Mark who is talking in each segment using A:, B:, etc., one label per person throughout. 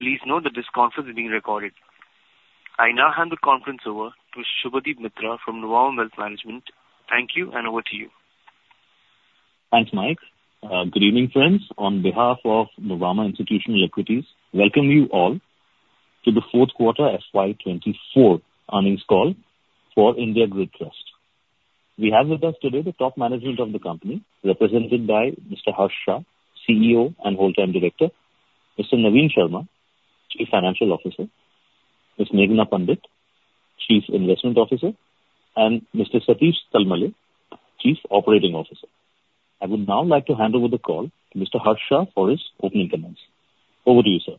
A: Please note that this conference is being recorded. I now hand the conference over to Subhadip Mitra from Nomura Wealth Management. Thank you, and over to you.
B: Thanks, Mike. Good evening, friends. On behalf of Nomura Institutional Equities, welcome you all to the fourth quarter FY 2024 earnings call for India Grid Trust. We have with us today the top management of the company, represented by Mr. Harsh Shah, CEO and full-time director; Mr. Navin Sharma, Chief Financial Officer; Ms. Meghana Pandit, Chief Investment Officer; and Mr. Satish Talmale, Chief Operating Officer. I would now like to hand over the call to Mr. Harsh Shah for his opening comments. Over to you, sir.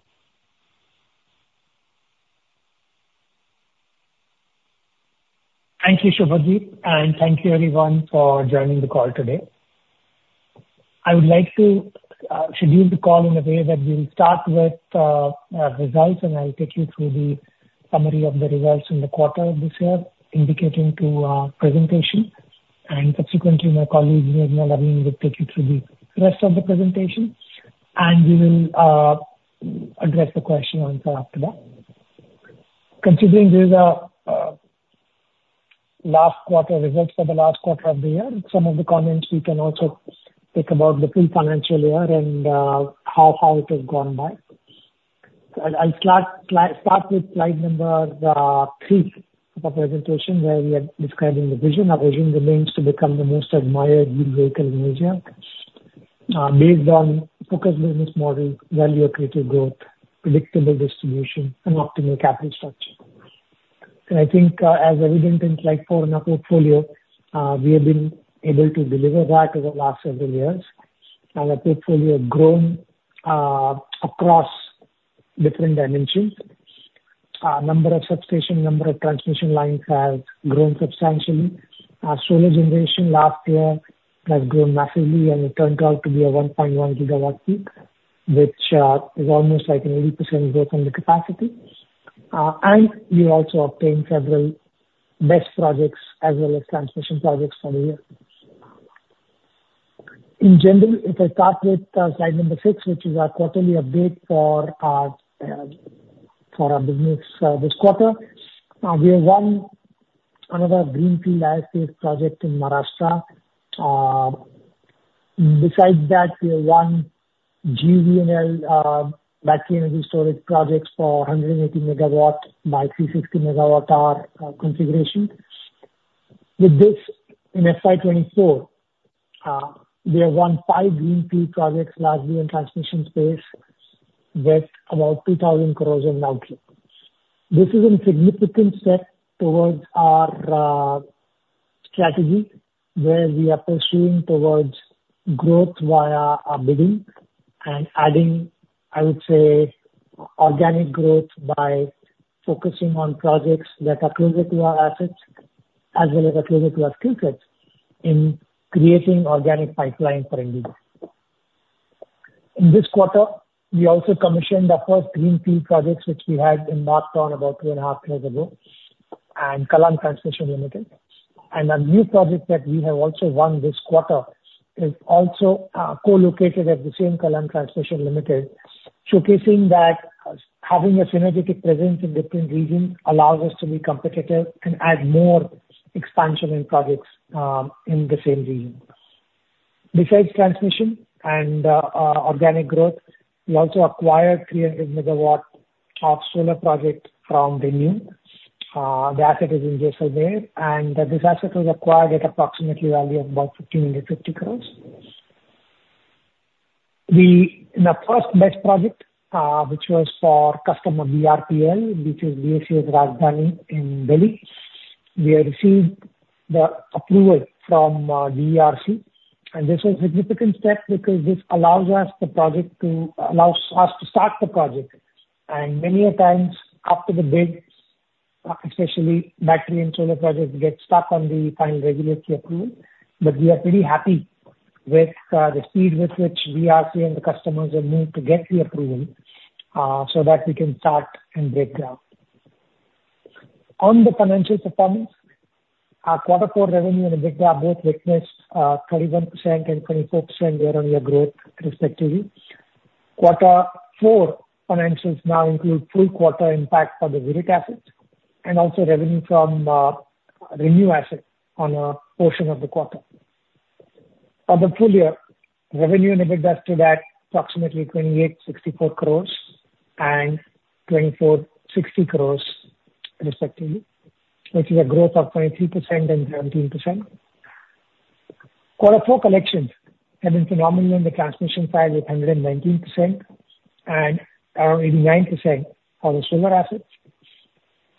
C: Thank you, Subhadip, and thank you everyone for joining the call today. I would like to schedule the call in a way that we'll start with our results, and I'll take you through the summary of the results in the quarter this year, indicating to our presentation, and subsequently, my colleagues, Meghana and Naveen, will take you through the rest of the presentation, and we will address the question and answer after that. Considering these are last quarter results for the last quarter of the year, some of the comments we can also speak about the full financial year and how it has gone by. So I'll start with slide number three of the presentation, where we are describing the vision. Our vision remains to become the most admired yield vehicle in Asia, based on focused business model, value creative growth, predictable distribution, and optimal capital structure. I think, as evident in slide 4, in our portfolio, we have been able to deliver that over the last several years. Our portfolio have grown, across different dimensions. Number of substation, number of transmission lines has grown substantially. Our solar generation last year has grown massively, and it turned out to be a 1.1 GW peak, which is almost like an 80% growth on the capacity. And we also obtained several BESS projects as well as transmission projects for the year. In general, if I start with, slide number 6, which is our quarterly update for our, for our business, this quarter. We have won another greenfield ISP project in Maharashtra. Besides that, we have won GUVNL battery energy storage projects for 180 MW by 360 MWh configuration. With this, in FY 2024, we have won five greenfield projects, largely in transmission space, worth about 2,000 crore in output. This is a significant step towards our strategy, where we are pursuing towards growth via our bidding and adding, I would say, organic growth by focusing on projects that are closer to our assets as well as are closer to our skill sets in creating organic pipeline for India. In this quarter, we also commissioned the first greenfield projects which we had embarked on about two and a half years ago, and Kallam Transmission Limited. A new project that we have also won this quarter is also co-located at the same Kallam Transmission Limited, showcasing that having a synergistic presence in different regions allows us to be competitive and add more expansion in projects in the same region. Besides transmission and organic growth, we also acquired 300 MW of solar project from ReNew, the asset is in Jaisalmer, and this asset was acquired at approximately value of about 1,550 crores. We, in the first BESS project, which was for customer BRPL, which is BSES Rajdhani in Delhi. We have received the approval from DERC, and this is a significant step because this allows us the project to, allows us to start the project. Many a times after the bids, especially battery and solar projects, get stuck on the final regulatory approval. But we are pretty happy with the speed with which we are seeing the customers are moved to get the approval, so that we can start and break ground. On the financial performance, our quarter four revenue and EBITDA both witnessed 31% and 24% year-on-year growth respectively. Quarter four financials now include full quarter impact for the grid assets and also revenue from the new asset on a portion of the quarter. For the full year, revenue and EBITDA stood at approximately 2,864 crores and 2,460 crores respectively, which is a growth of 23% and 17%. Quarter four collections have been phenomenal in the transmission side, with 119% and 89% for the solar assets.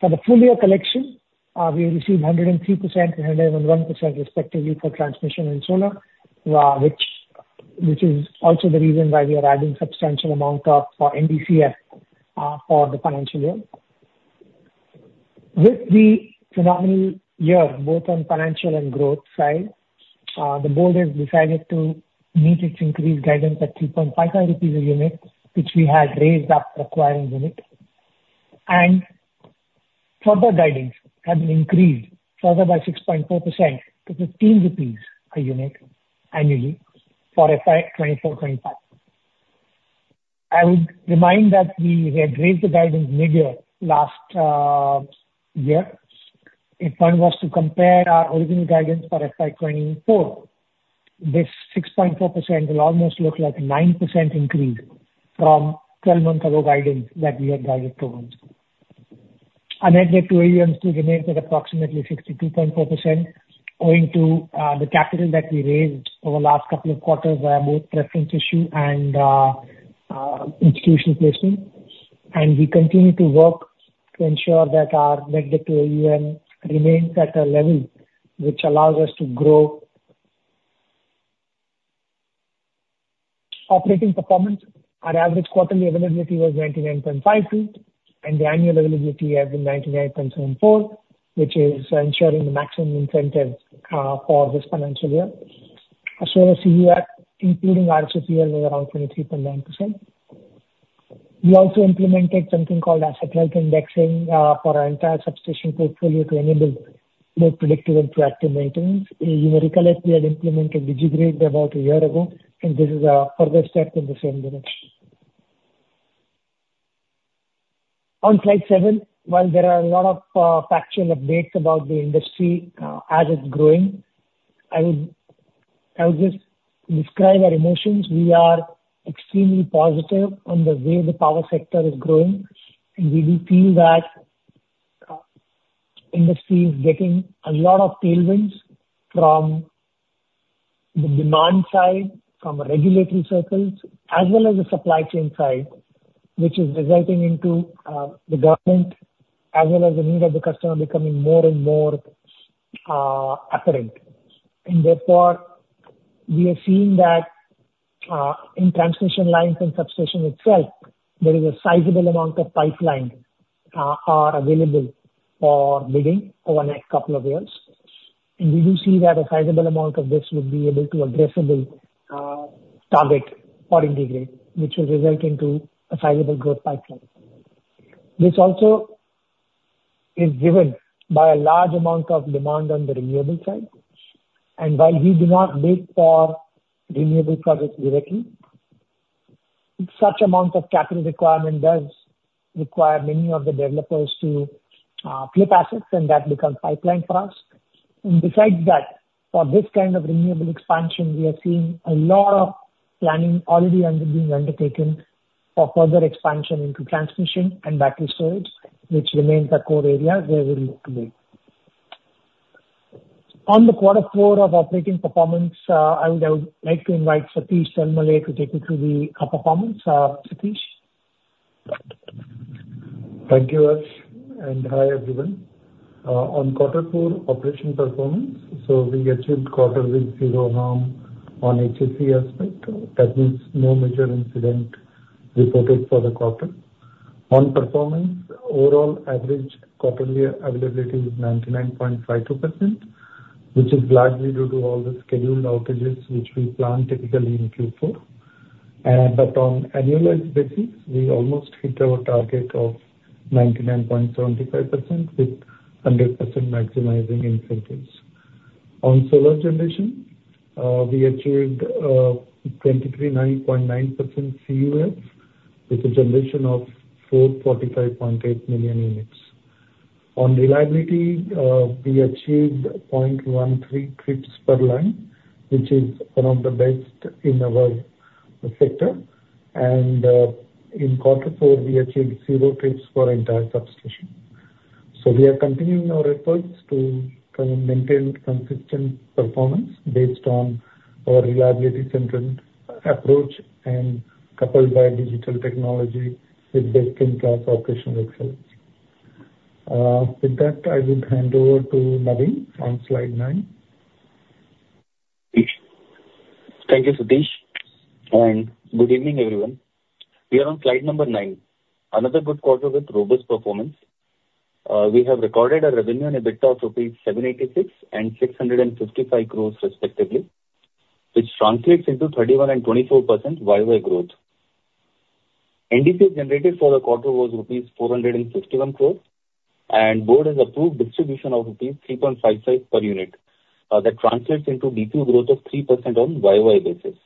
C: For the full year collection, we received 103% and 101% respectively for transmission and solar, which is also the reason why we are adding substantial amount of NDCF for the financial year. With the phenomenal year, both on financial and growth side, the board has decided to meet its increased guidance at 3.55 rupees a unit, which we had raised up acquiring unit, and further guidance has been increased further by 6.4% to 15 rupees a unit annually for FY 2024-25. I would remind that we had raised the guidance mid-year last year. If one was to compare our original guidance for FY 2024, this 6.4% will almost look like 9% increase from 12 months ago guidance that we had guided 12 months ago. Our net debt to AUM still remains at approximately 62.4%, owing to the capital that we raised over the last couple of quarters, both preference issue and institutional placement. And we continue to work to ensure that our net debt to AUM remains at a level which allows us to grow. Operating performance, our average quarterly availability was 99.52, and the annual availability has been 99.74, which is ensuring the maximum incentive for this financial year. Our solar CUF, including R-CUF, was around 23.9%. We also implemented something called asset health indexing for our entire substation portfolio to enable more predictive and proactive maintenance. You may recall that we had implemented DigiGrid about a year ago, and this is a further step in the same direction. On slide seven, while there are a lot of factual updates about the industry as it's growing, I would just describe our emotions. We are extremely positive on the way the power sector is growing, and we do feel that industry is getting a lot of tailwinds from the demand side, from regulatory circles, as well as the supply chain side, which is resulting into the government as well as the need of the customer becoming more and more apparent. And therefore, we are seeing that in transmission lines and substation itself, there is a sizable amount of pipeline are available for bidding over the next couple of years. And we do see that a sizable amount of this would be able to addressable target for IndiGrid, which will result into a sizable growth pipeline. This also is driven by a large amount of demand on the renewable side, and while we do not bid for renewable projects directly, such amount of capital requirement does require many of the developers to flip assets, and that becomes pipeline for us. And besides that, for this kind of renewable expansion, we are seeing a lot of planning already being undertaken for further expansion into transmission and battery storage, which remains our core area, where we look to be. On the quarter four of operating performance, I would like to invite Satish Talmalle to take you through the performance. Satish?
D: Thank you, Raj, and hi, everyone. On quarter four operation performance, so we achieved quarter with zero harm on HSE aspect. That means no major incident reported for the quarter. On performance, overall average quarterly availability is 99.52%, which is largely due to all the scheduled outages, which we plan typically in Q4. But on annualized basis, we almost hit our target of 99.75%, with 100% maximizing incentives. On solar generation, we achieved 23.9% CUF, with a generation of 445.8 million units. On reliability, we achieved 0.13 trips per line, which is among the best in the world sector. In quarter four, we achieved zero trips for entire substation. We are continuing our efforts to maintain consistent performance based on our reliability-centered approach and coupled by digital technology with best-in-class operational excellence. With that, I would hand over to Navin on slide 9.
E: Thank you, Satish, and good evening, everyone. We are on slide 9, another good quarter with robust performance. We have recorded a revenue and EBITDA of rupees 786 crores and 655 crores respectively, which translates into 31% and 24% YoY growth. NDCF generated for the quarter was rupees 461 crores, and board has approved distribution of rupees 3.55 per unit. That translates into DPU growth of 3% on YoY basis.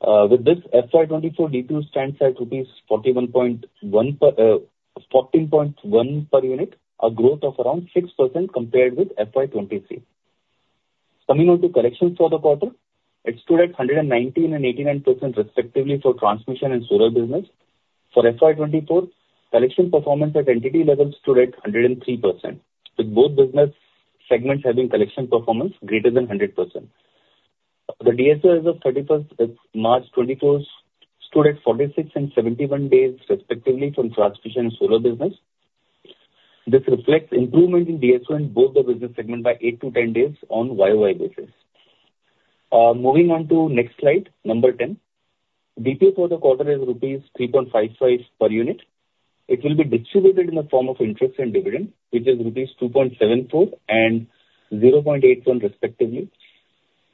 E: With this, FY 2024 DPU stands at 14.1 per unit, a growth of around 6% compared with FY 2023. Coming on to collections for the quarter, it stood at 119% and 89% respectively for transmission and solar business. For FY 2024, collection performance at entity level stood at 103%, with both business segments having collection performance greater than 100%. The DSO as of 31st March 2024 stood at 46 and 71 days, respectively, from transmission and solar business. This reflects improvement in DSO in both the business segment by 8-10 days on year-over-year basis. Moving on to next slide, 10. DPU for the quarter is rupees 3.55 per unit. It will be distributed in the form of interest and dividend, which is rupees 2.74 and 0.81 respectively.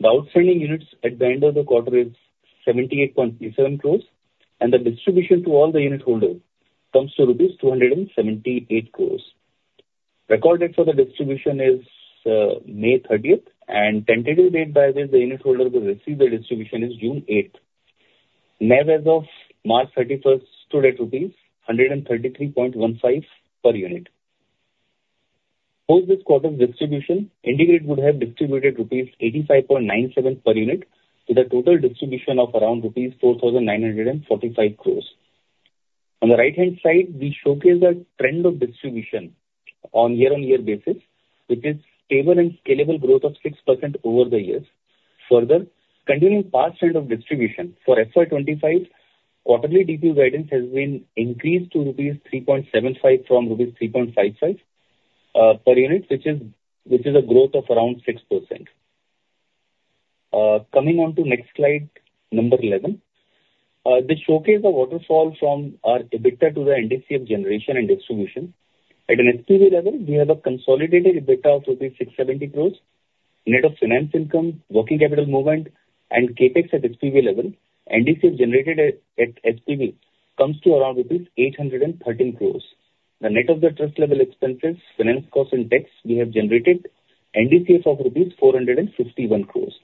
E: The outstanding units at the end of the quarter is 78.37 crore, and the distribution to all the unit holders comes to rupees 278 crore. Record date for the distribution is May 30, and tentative date by which the unit holder will receive the distribution is June 8. NAV as of March 31 stood at INR 133.15 per unit. Post this quarter's distribution, IndiGrid would have distributed rupees 85.97 per unit, with a total distribution of around rupees 4,945 crore. On the right-hand side, we showcase a trend of distribution on year-on-year basis, with this stable and scalable growth of 6% over the years. Further, continuing past trend of distribution for FY 2025, quarterly DPU guidance has been increased to rupees 3.75 from rupees 3.55 per unit, which is a growth of around 6%. Coming on to next slide, number 11. This shows the waterfall from our EBITDA to the NDCF generation and distribution. At an SPV level, we have a consolidated EBITDA of rupees 670 crores, net of finance income, working capital movement, and CapEx at SPV level. NDCF generated at SPV comes to around rupees 813 crores. The net of the trust level expenses, finance costs and tax, we have generated NDCF of rupees 451 crores.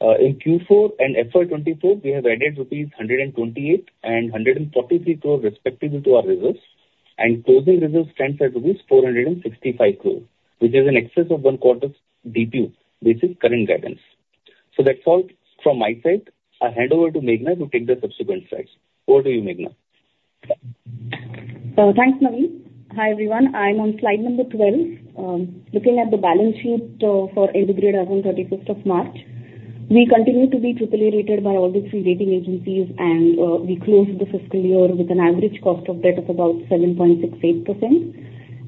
E: In Q4 and FY 2024, we have added rupees 128 crores and 143 crores respectively to our reserves, and closing reserves stands at rupees 465 crore, which is in excess of one quarter's DPU, basic current guidance. So that's all from my side. I'll hand over to Meghana to take the subsequent slides. Over to you, Meghana.
F: Thanks, Navin. Hi, everyone. I'm on slide number 12. Looking at the balance sheet for IndiGrid as on thirty-first of March. We continue to be triple-A rated by all the three rating agencies, and we closed the fiscal year with an average cost of debt of about 7.68%,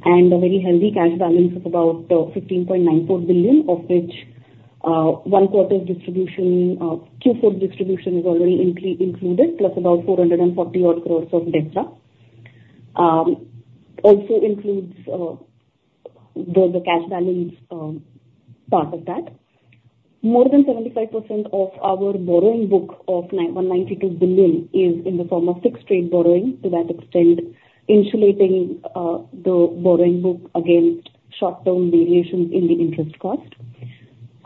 F: and a very healthy cash balance of about 15.94 billion, of which one quarter's distribution, Q4 distribution is already included, plus about 440 crore of debt also includes the cash balance part of that. More than 75% of our borrowing book of 191.92 billion is in the form of fixed rate borrowing, to that extent, insulating the borrowing book against short-term variations in the interest cost.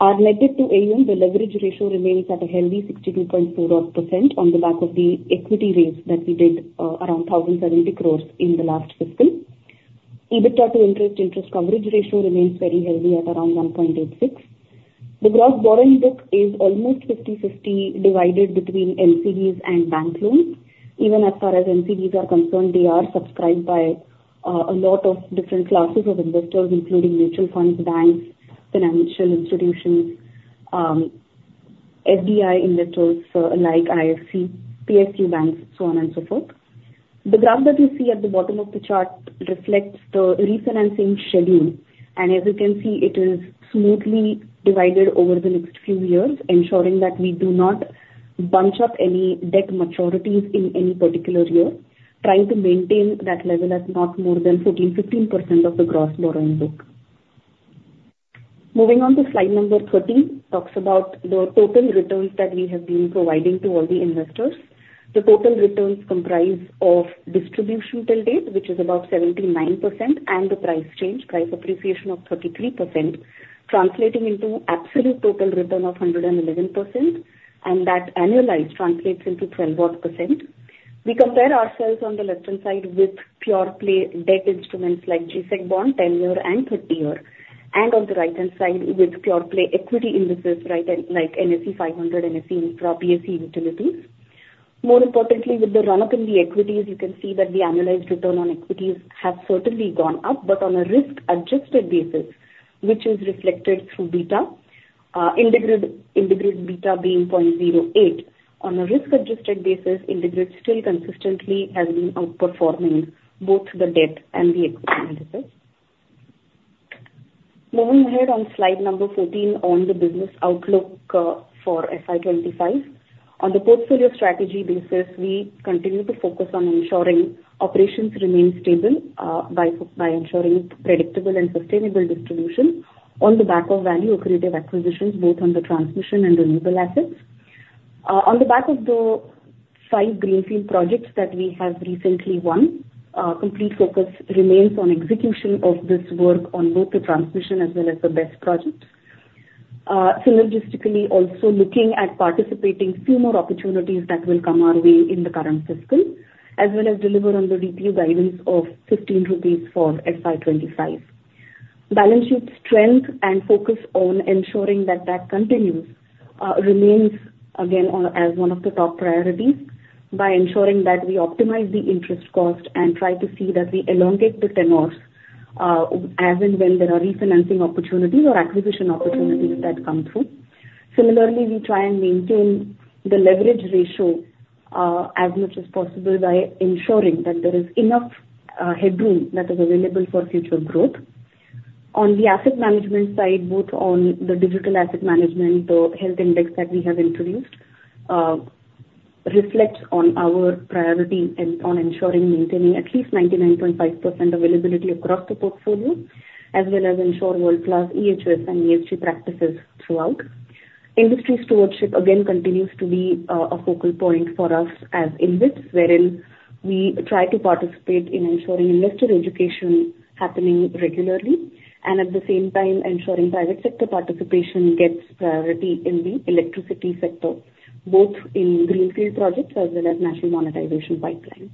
F: Our net debt to AUM, the leverage ratio remains at a healthy 62.4 odd% on the back of the equity raise that we did, around 1,070 crores in the last fiscal. EBITDA to interest, interest coverage ratio remains very healthy at around 1.86. The gross borrowing book is almost 50/50 divided between NCDs and bank loans. Even as far as NCDs are concerned, they are subscribed by, a lot of different classes of investors including mutual funds, banks, financial institutions, FDI investors like IFC, PSU banks, so on and so forth. The graph that you see at the bottom of the chart reflects the refinancing schedule, and as you can see, it is smoothly divided over the next few years, ensuring that we do not bunch up any debt maturities in any particular year, trying to maintain that level at not more than 14, 15% of the gross borrowing book. Moving on to slide number 13, talks about the total returns that we have been providing to all the investors. The total returns comprise of distribution till date, which is about 79%, and the price change, price appreciation of 33%, translating into absolute total return of 111%, and that annualized translates into 12 odd %. We compare ourselves on the left-hand side with pure play debt instruments like G-Sec Bond, 10-year and 30-year, and on the right-hand side with pure play equity indices, right, like NSE 500, NSE Nifty, BSE Utilities. More importantly, with the run-up in the equities, you can see that the annualized return on equities has certainly gone up, but on a risk-adjusted basis, which is reflected through beta, IndiGrid, IndiGrid beta being 0.08. On a risk-adjusted basis, IndiGrid still consistently has been outperforming both the debt and the equity indices. Moving ahead on slide number 14, on the business outlook, for FY 25. On the portfolio strategy basis, we continue to focus on ensuring operations remain stable, by ensuring predictable and sustainable distribution on the back of value accretive acquisitions, both on the transmission and renewable assets. On the back of the five greenfield projects that we have recently won, complete focus remains on execution of this work on both the transmission as well as the BESS projects. Synergistically, also looking at participating few more opportunities that will come our way in the current fiscal, as well as deliver on the DPU guidance of 15 rupees for FY 2025. Balance sheet strength and focus on ensuring that that continues remains again on, as one of the top priorities by ensuring that we optimize the interest cost and try to see that we elongate the tenures, as and when there are refinancing opportunities or acquisition opportunities that come through. Similarly, we try and maintain the leverage ratio, as much as possible by ensuring that there is enough headroom that is available for future growth. On the asset management side, both on the digital asset management, the health index that we have introduced reflects on our priority and on ensuring maintaining at least 99.5% availability across the portfolio, as well as ensure world-class EHS and ESG practices throughout. Industry stewardship again continues to be, a focal point for us as InvITs, wherein we try to participate in ensuring investor education happening regularly, and at the same time, ensuring private sector participation gets priority in the electricity sector, both in greenfield projects as well as national monetization pipeline.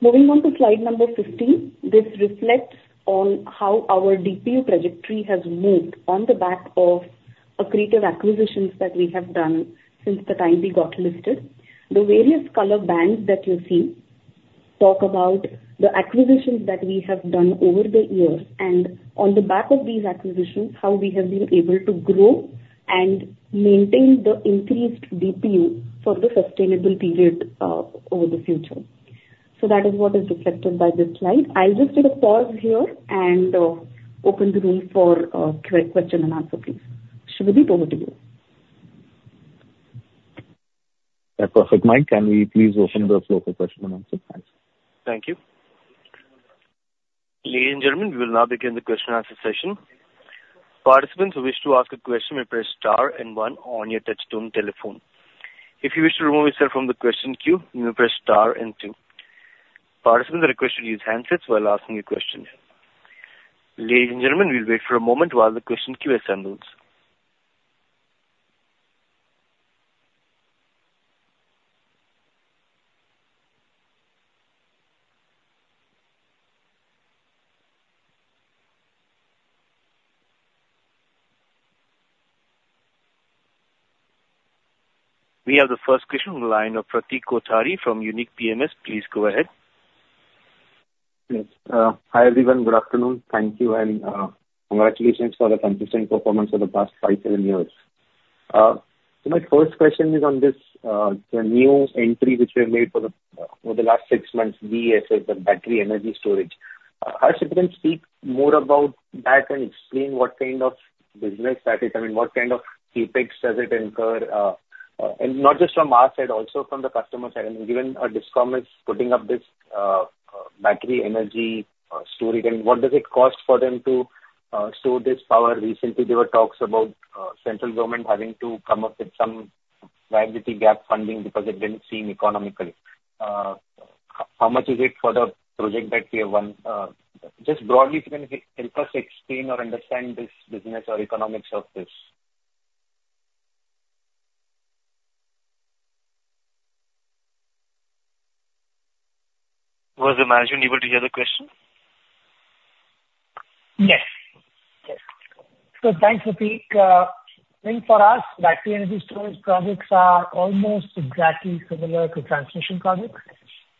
F: Moving on to slide number 15, this reflects on how our DPU trajectory has moved on the back of accretive acquisitions that we have done since the time we got listed. The various color bands that you see talk about the acquisitions that we have done over the years, and on the back of these acquisitions, how we have been able to grow and maintain the increased DPU for the sustainable period over the future. So that is what is reflected by this slide. I'll just take a pause here and open the room for question and answer, please. Subhadip, over to you.
B: Yeah, perfect, Mike, can we please open the floor for question and answer? Thanks.
A: Thank you. Ladies and gentlemen, we will now begin the question and answer session. Participants who wish to ask a question may press star and one on your touchtone telephone. If you wish to remove yourself from the question queue, you may press star and two. Participants are requested to use handsets while asking a question. Ladies and gentlemen, we'll wait for a moment while the question queue assembles. We have the first question on the line of Pratik Kothari from Unique PMS. Please go ahead.
G: Yes. Hi, everyone. Good afternoon. Thank you, and congratulations for the consistent performance for the past 5, 7 years. My first question is on this, the new entry which we have made for the last 6 months, BESS, the battery energy storage. Harsh, if you can speak more about that and explain what kind of business that is, I mean, what kind of CapEx does it incur, and not just from our side, also from the customer side. I mean, given Discom is putting up this, battery energy storage, and what does it cost for them to store this power? Recently, there were talks about central government having to come up with some Viability Gap Funding because it didn't seem economical. How much is it for the project that we have won? Just broadly, if you can help us explain or understand this business or economics of this.
B: Was the management able to hear the question?
C: Yes. Yes. So thanks, Pratik. I think for us, battery energy storage projects are almost exactly similar to transmission projects.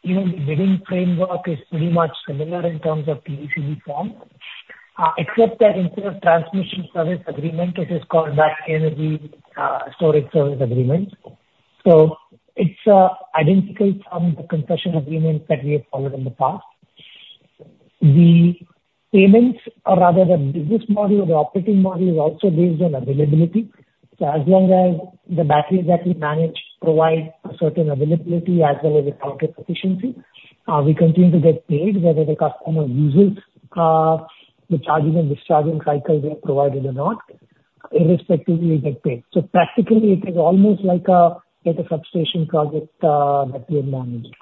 C: Even the bidding framework is pretty much similar in terms of TBCB framework, except that instead of transmission service agreement, it is called battery energy storage service agreement. So it's identical from the concession agreements that we have followed in the past. The payments, or rather the business model, the operating model, is also based on availability. So as long as the batteries that we manage provide a certain availability as well as output efficiency, we continue to get paid whether the customer uses the charging and discharging cycles we have provided or not, irrespectively, we get paid. So practically, it is almost like a, like a substation project that we have managed.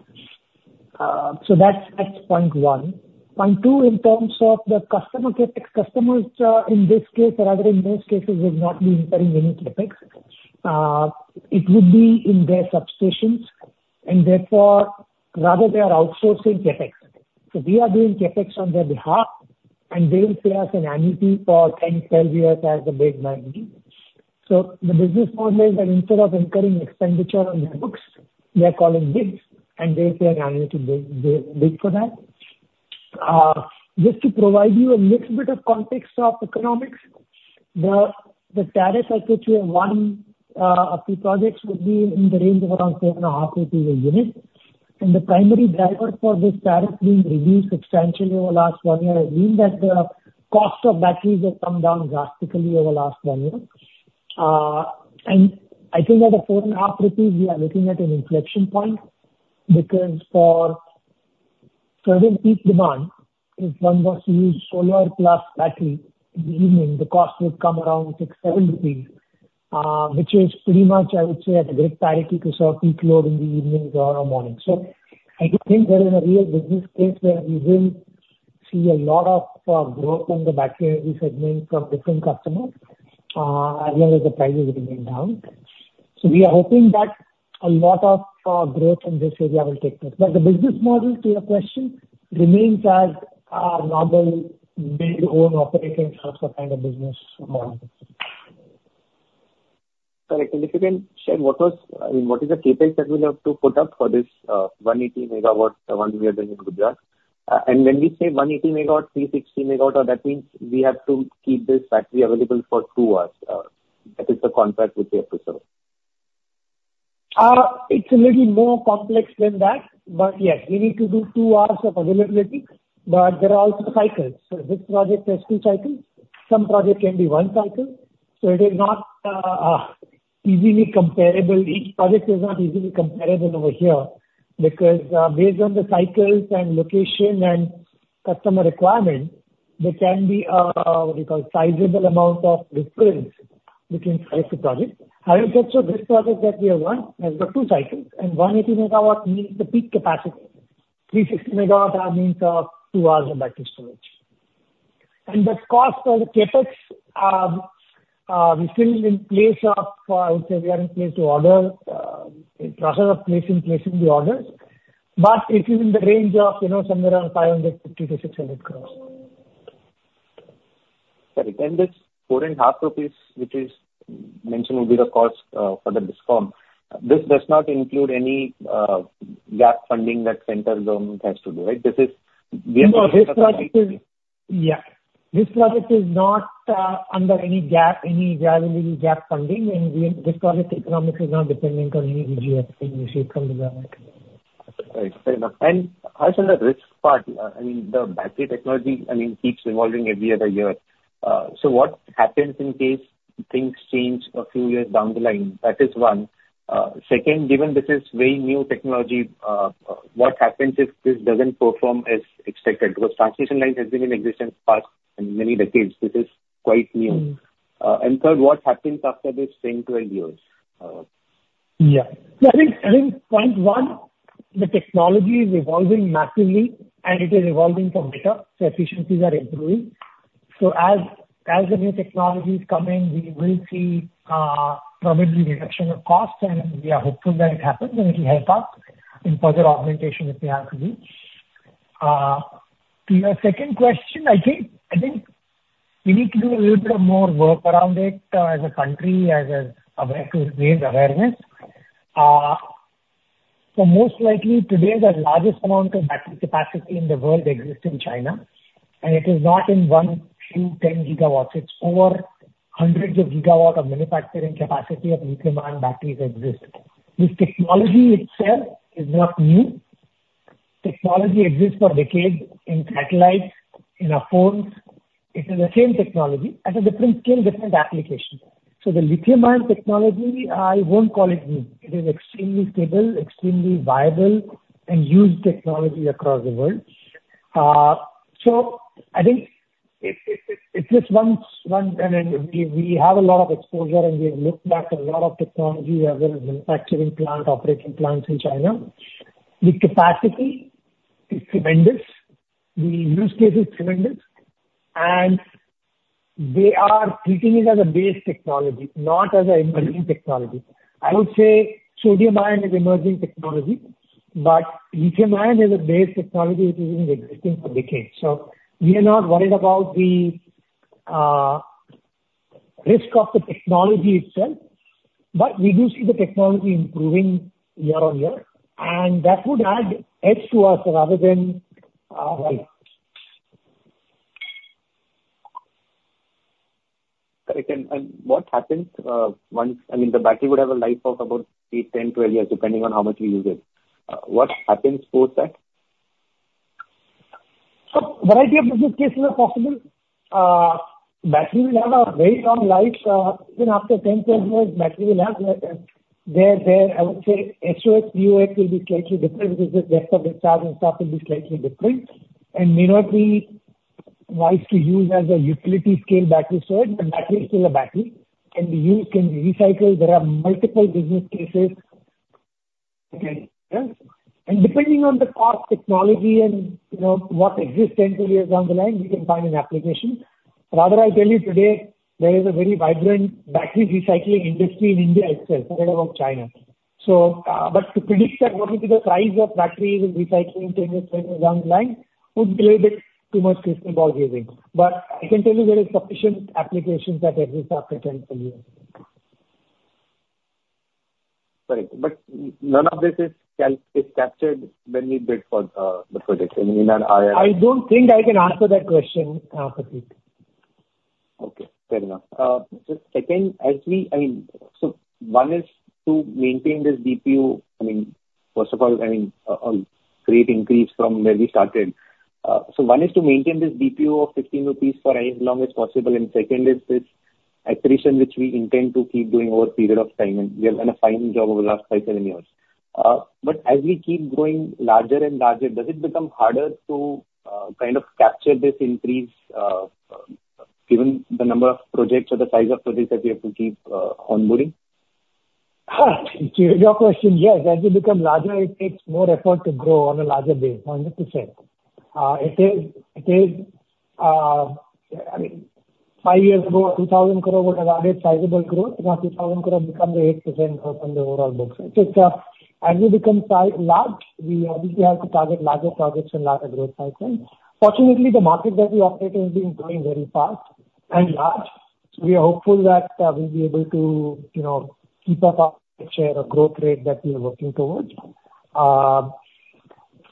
C: So that's, that's point one. Point two, in terms of the customer CapEx, customers, in this case, or rather in most cases, will not be incurring any CapEx. It would be in their substations, and therefore, rather, they are outsourcing CapEx. So we are doing CapEx on their behalf, and they will pay us an annuity for 10, 12 years as a bid by me. So the business model is that instead of incurring expenditure on their books, they are calling bids, and they pay an annuity bid for that. Just to provide you a little bit of context of economics, the tariffs I put to you one, a few projects would be in the range of around 7.5 a unit. The primary driver for this tariff being reduced substantially over the last one year is I mean that the cost of batteries has come down drastically over the last one year. And I think at 4.5 rupees, we are looking at an inflection point, because for certain peak demand, if one was to use solar plus battery in the evening, the cost would come around 6-7 rupees, which is pretty much, I would say, at a great parity to serve peak load in the evenings or morning. So I do think there is a real business case where we will see a lot of growth in the battery energy segment from different customers, as long as the prices remain down. So we are hoping that a lot of growth in this area will take place. The business model, to your question, remains as our normal Build, Own, Operate, and Transfer kind of business model.
G: Correct. If you can share what was... I mean, what is the CapEx that we'll have to put up for this, 180 megawatts, the one we are doing in Gujarat? And when we say 180 megawatt, 360 megawatt, that means we have to keep this battery available for two hours, that is the contract which we have to serve.
C: It's a little more complex than that, but yes, we need to do 2 hours of availability, but there are also cycles. So this project has 2 cycles.... Some project can be 1 cycle, so it is not easily comparable. Each project is not easily comparable over here, because based on the cycles and location and customer requirement, there can be what you call sizable amount of difference between specific projects. I would say, so this project that we have won has got 2 cycles, and 180 MW means the peak capacity. 360 MW means 2 hours of battery storage. The cost for the CapEx, I would say we are in place to order, in process of placing the order, but it is in the range of, you know, somewhere around 550-600 crores.
G: Sorry, and this 4.5 rupees, which is mentioned will be the cost for the discom, this does not include any gap funding that central government has to do, right? This is-
C: No, this project is... Yeah. This project is not under any gap, any viability gap funding, and we, this project economics is not dependent on any VGF initiative from the government.
G: Right. Fair enough. And also the risk part, I mean, the battery technology, I mean, keeps evolving every other year. So what happens in case things change a few years down the line? That is one. Second, given this is very new technology, what happens if this doesn't perform as expected? Because transmission line has been in existence for many decades, this is quite new.
C: Mm.
G: Third, what happens after this 10-12 years?
C: Yeah. I think point one, the technology is evolving massively, and it is evolving for better, so efficiencies are improving. So as the new technology is coming, we will see probably reduction of cost, and we are hopeful that it happens, and it will help us in further augmentation, if we have to do. To your second question, I think we need to do a little bit of more work around it, as a country, as a way to raise awareness. So most likely, today, the largest amount of battery capacity in the world exists in China, and it is not in 1, 2, 10 gigawatts. It's over hundreds of gigawatts of manufacturing capacity of lithium-ion batteries exist. This technology itself is not new. Technology exists for decades in satellites, in our phones. It is the same technology at a different scale, different application. So the lithium-ion technology, I won't call it new. It is extremely stable, extremely viable and used technology across the world. So I think it is, and we have a lot of exposure, and we've looked back at a lot of technology as well as manufacturing plant, operating plants in China. The capacity is tremendous, the use case is tremendous, and they are treating it as a base technology, not as an emerging technology. I would say sodium-ion is emerging technology, but lithium-ion is a base technology, which has been existing for decades. So we are not worried about the risk of the technology itself, but we do see the technology improving year on year, and that would add edge to us rather than, well.
G: Correct. And what happens once... I mean, the battery would have a life of about 8, 10, 12 years, depending on how much we use it. What happens post that?
C: Variety of business cases are possible. Battery will have a very long life. Even after 10, 12 years, battery will have a. There, I would say, SOH cycles will be slightly different because the depth of the cells and stuff will be slightly different, and may not be wise to use as a utility-scale battery storage, but battery is still a battery, can be used, can be recycled. There are multiple business cases that can. Depending on the cost, technology, and, you know, what exists 10, 12 years down the line, we can find an application. Rather, I tell you today, there is a very vibrant battery recycling industry in India itself, forget about China. But to predict that what will be the price of battery recycling 10, 12 years down the line would be a bit too much crystal ball gazing. But I can tell you there is sufficient applications that exist after 10, 12 years.
G: Right. But none of this is captured when we bid for the project, I mean, in our IR-
C: I don't think I can answer that question, Pratik.
G: Okay. Fair enough. So second, as we, I mean, so one is to maintain this DPU, I mean, first of all, I mean, a great increase from where we started. So one is to maintain this DPU of 15 rupees for as long as possible, and second is this accretion, which we intend to keep doing over a period of time, and we have done a fine job over the last 5-7 years. But as we keep growing larger and larger, does it become harder to kind of capture this increase given the number of projects or the size of projects that we have to keep onboarding?
C: To your question, yes. As you become larger, it takes more effort to grow on a larger base, 100%. It is, it is, I mean, five years ago, 2,000 crore was a large sizable growth. Now, 2,000 crore become the 8% of the overall books. So it's, as we become large, we obviously have to target larger targets and larger growth cycles. Fortunately, the market that we operate in has been growing very fast and large, so we are hopeful that, we'll be able to, you know, keep up our share of growth rate that we are working towards.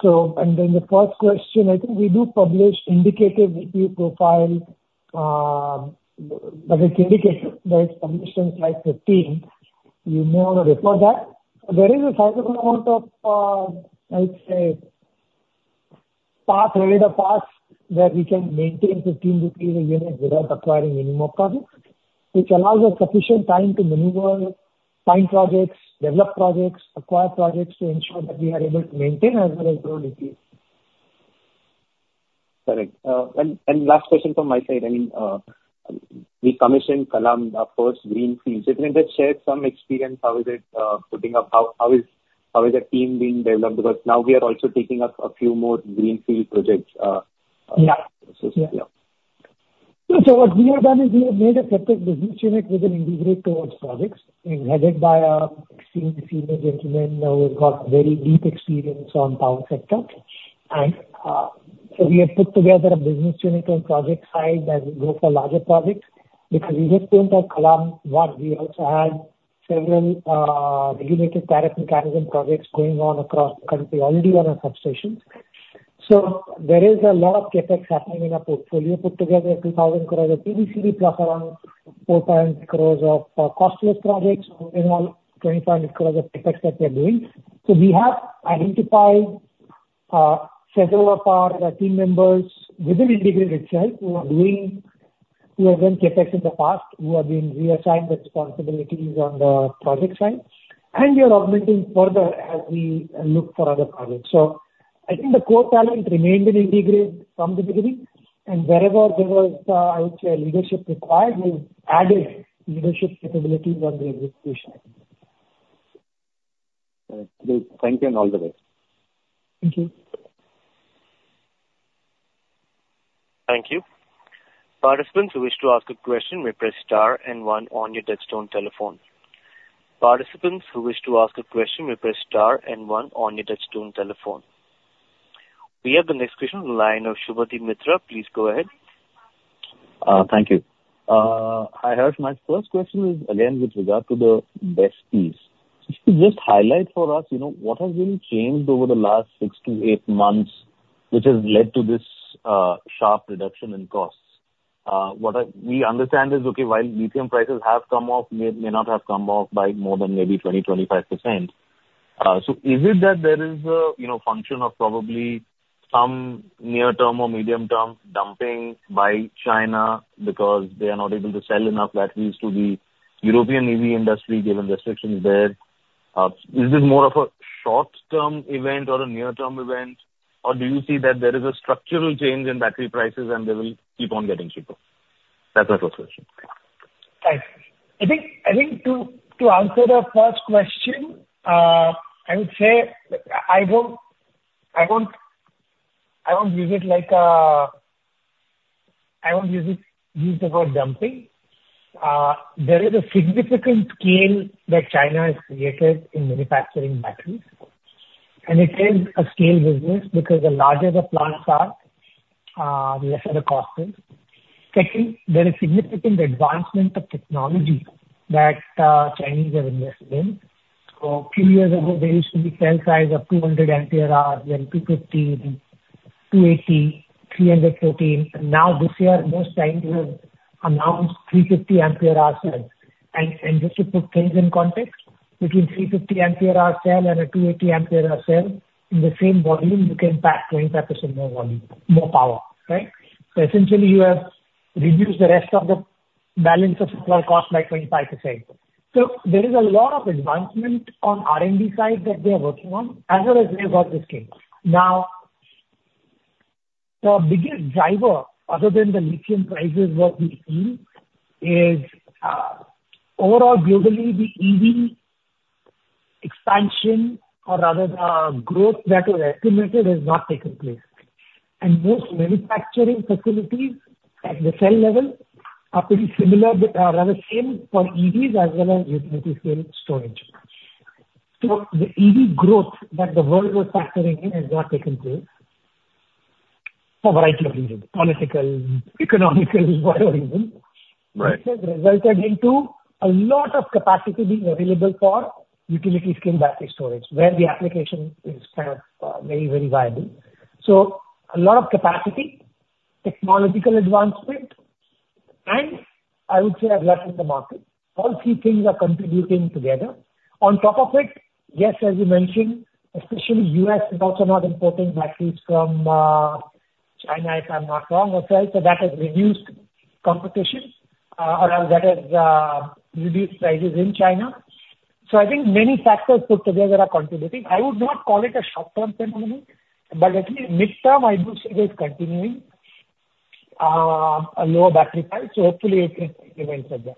C: So and then the first question, I think we do publish indicative DPU profile, but it's indicative, but it's published in slide 15. You may want to refer that. There is a sizable amount of, let's say-... pathway, the path where we can maintain 15 rupees a unit without acquiring any more projects, which allows us sufficient time to maneuver, find projects, develop projects, acquire projects, to ensure that we are able to maintain as well as grow EPS.
G: Correct. And last question from my side, I mean, we commissioned Kallam, our first greenfield. So can you just share some experience, how is it putting up? How is the team being developed? Because now we are also taking up a few more greenfield projects.
C: Yeah.
G: Yeah.
C: So what we have done is, we have made a separate business unit within IndiGrid towards projects, and headed by our extremely senior gentleman, who has got very deep experience on power sector. And, so we have put together a business unit on project side, that look for larger projects, because in addition to Kallam One, we also have several, regulated tariff mechanism projects going on across the country already on our substations. So there is a lot of CapEx happening in our portfolio, put together 2,000 crore of T plus around 4 crores of, cost plus projects, so in all, 25 crore of CapEx that we are doing. So we have identified, several of our team members within IndiGrid itself, who are doing, who have done CapEx in the past, who are being reassigned the responsibilities on the project side. We are augmenting further as we look for other projects. I think the core talent remained in IndiGrid from the beginning, and wherever there was, I would say, leadership required, we've added leadership capabilities on the execution. All right. Great! Thank you, and all the best. Thank you.
A: Thank you. Participants who wish to ask a question may press star and one on your touchtone telephone. Participants who wish to ask a question may press star and one on your touchtone telephone. We have the next question on the line of Subhadip Mitra. Please go ahead.
B: Thank you. Hi, Harsh. My first question is again, with regard to the batteries. Just to highlight for us, you know, what has really changed over the last 6-8 months, which has led to this, sharp reduction in costs? What we understand is, okay, while lithium prices have come off, may, may not have come off by more than maybe 20-25%. So is it that there is a, you know, function of probably some near-term or medium-term dumping by China because they are not able to sell enough batteries to the European EV industry, given restrictions there? Is this more of a short-term event or a near-term event, or do you see that there is a structural change in battery prices and they will keep on getting cheaper? That's my first question.
C: Thanks. I think to answer the first question, I would say I won't use it like, I won't use the word dumping. There is a significant scale that China has created in manufacturing batteries, and it is a scale business, because the larger the plants are, the lesser the cost is. Secondly, there is significant advancement of technology that Chinese have invested in. So a few years ago, there used to be cell size of 200 ampere hours, then 250, 280, 314. Now, this year, most Chinese have announced 350 ampere hour cells. And just to put things in context, between 350 ampere hour cell and a 280 ampere hour cell, in the same volume, you can pack 25% more volume, more power, right? So essentially, you have reduced the rest of the balance of supply cost by 25%. So there is a lot of advancement on R&D side that they are working on, as well as they have got the scale. Now, the biggest driver, other than the lithium prices, what we've seen is, overall, globally, the EV expansion or rather the growth that was estimated has not taken place. And most manufacturing facilities at the cell level are pretty similar with, rather same for EVs as well as utility scale storage. So the EV growth that the world was factoring in has not taken place for a variety of reasons, political, economic, whatever reason.
B: Right.
C: Which has resulted into a lot of capacity being available for utility scale battery storage, where the application is kind of, very, very viable. So a lot of capacity, technological advancement, and I would say a glut in the market. All three things are contributing together. On top of it, yes, as you mentioned, especially U.S. is also not importing batteries from, China, if I'm not wrong as well, so that has reduced competition, or rather, that has, reduced prices in China. So I think many factors put together are contributing. I would not call it a short-term phenomenon, but at least mid-term, I would say it is continuing, a lower battery price, so hopefully it can remain stable.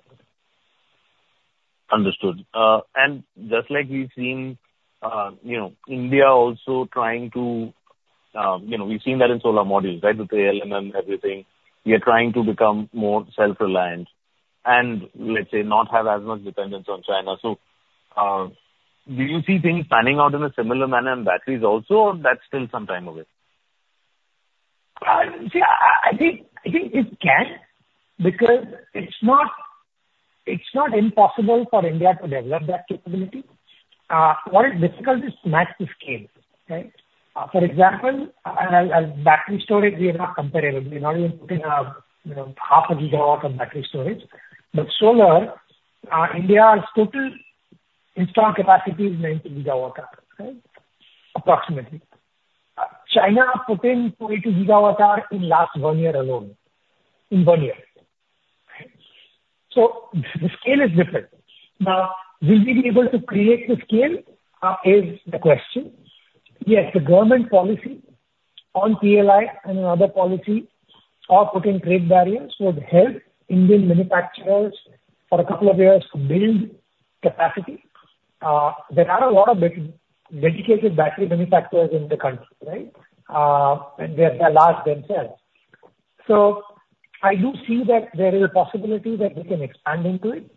B: Understood. And just like we've seen, you know, India also trying to, you know, we've seen that in solar modules, right? With the ALMM, everything. We are trying to become more self-reliant, and let's say, not have as much dependence on China. So, do you see things panning out in a similar manner on batteries also, or that's still some time away?
C: See, I think it can, because it's not impossible for India to develop that capability. What is difficult is to match the scale, right? For example, as battery storage, we are not comparable. We're not even putting up, you know, 0.5 GW of battery storage. But solar, India's total installed capacity is 90 GW, right? Approximately. China put in 42 GW in the last 1 year alone, in 1 year, right? So the scale is different. Now, will we be able to create the scale is the question. Yes, the government policy on PLI and other policy are putting trade barriers would help Indian manufacturers for a couple of years to build capacity. There are a lot of dedicated battery manufacturers in the country, right? And they are large themselves. So I do see that there is a possibility that we can expand into it,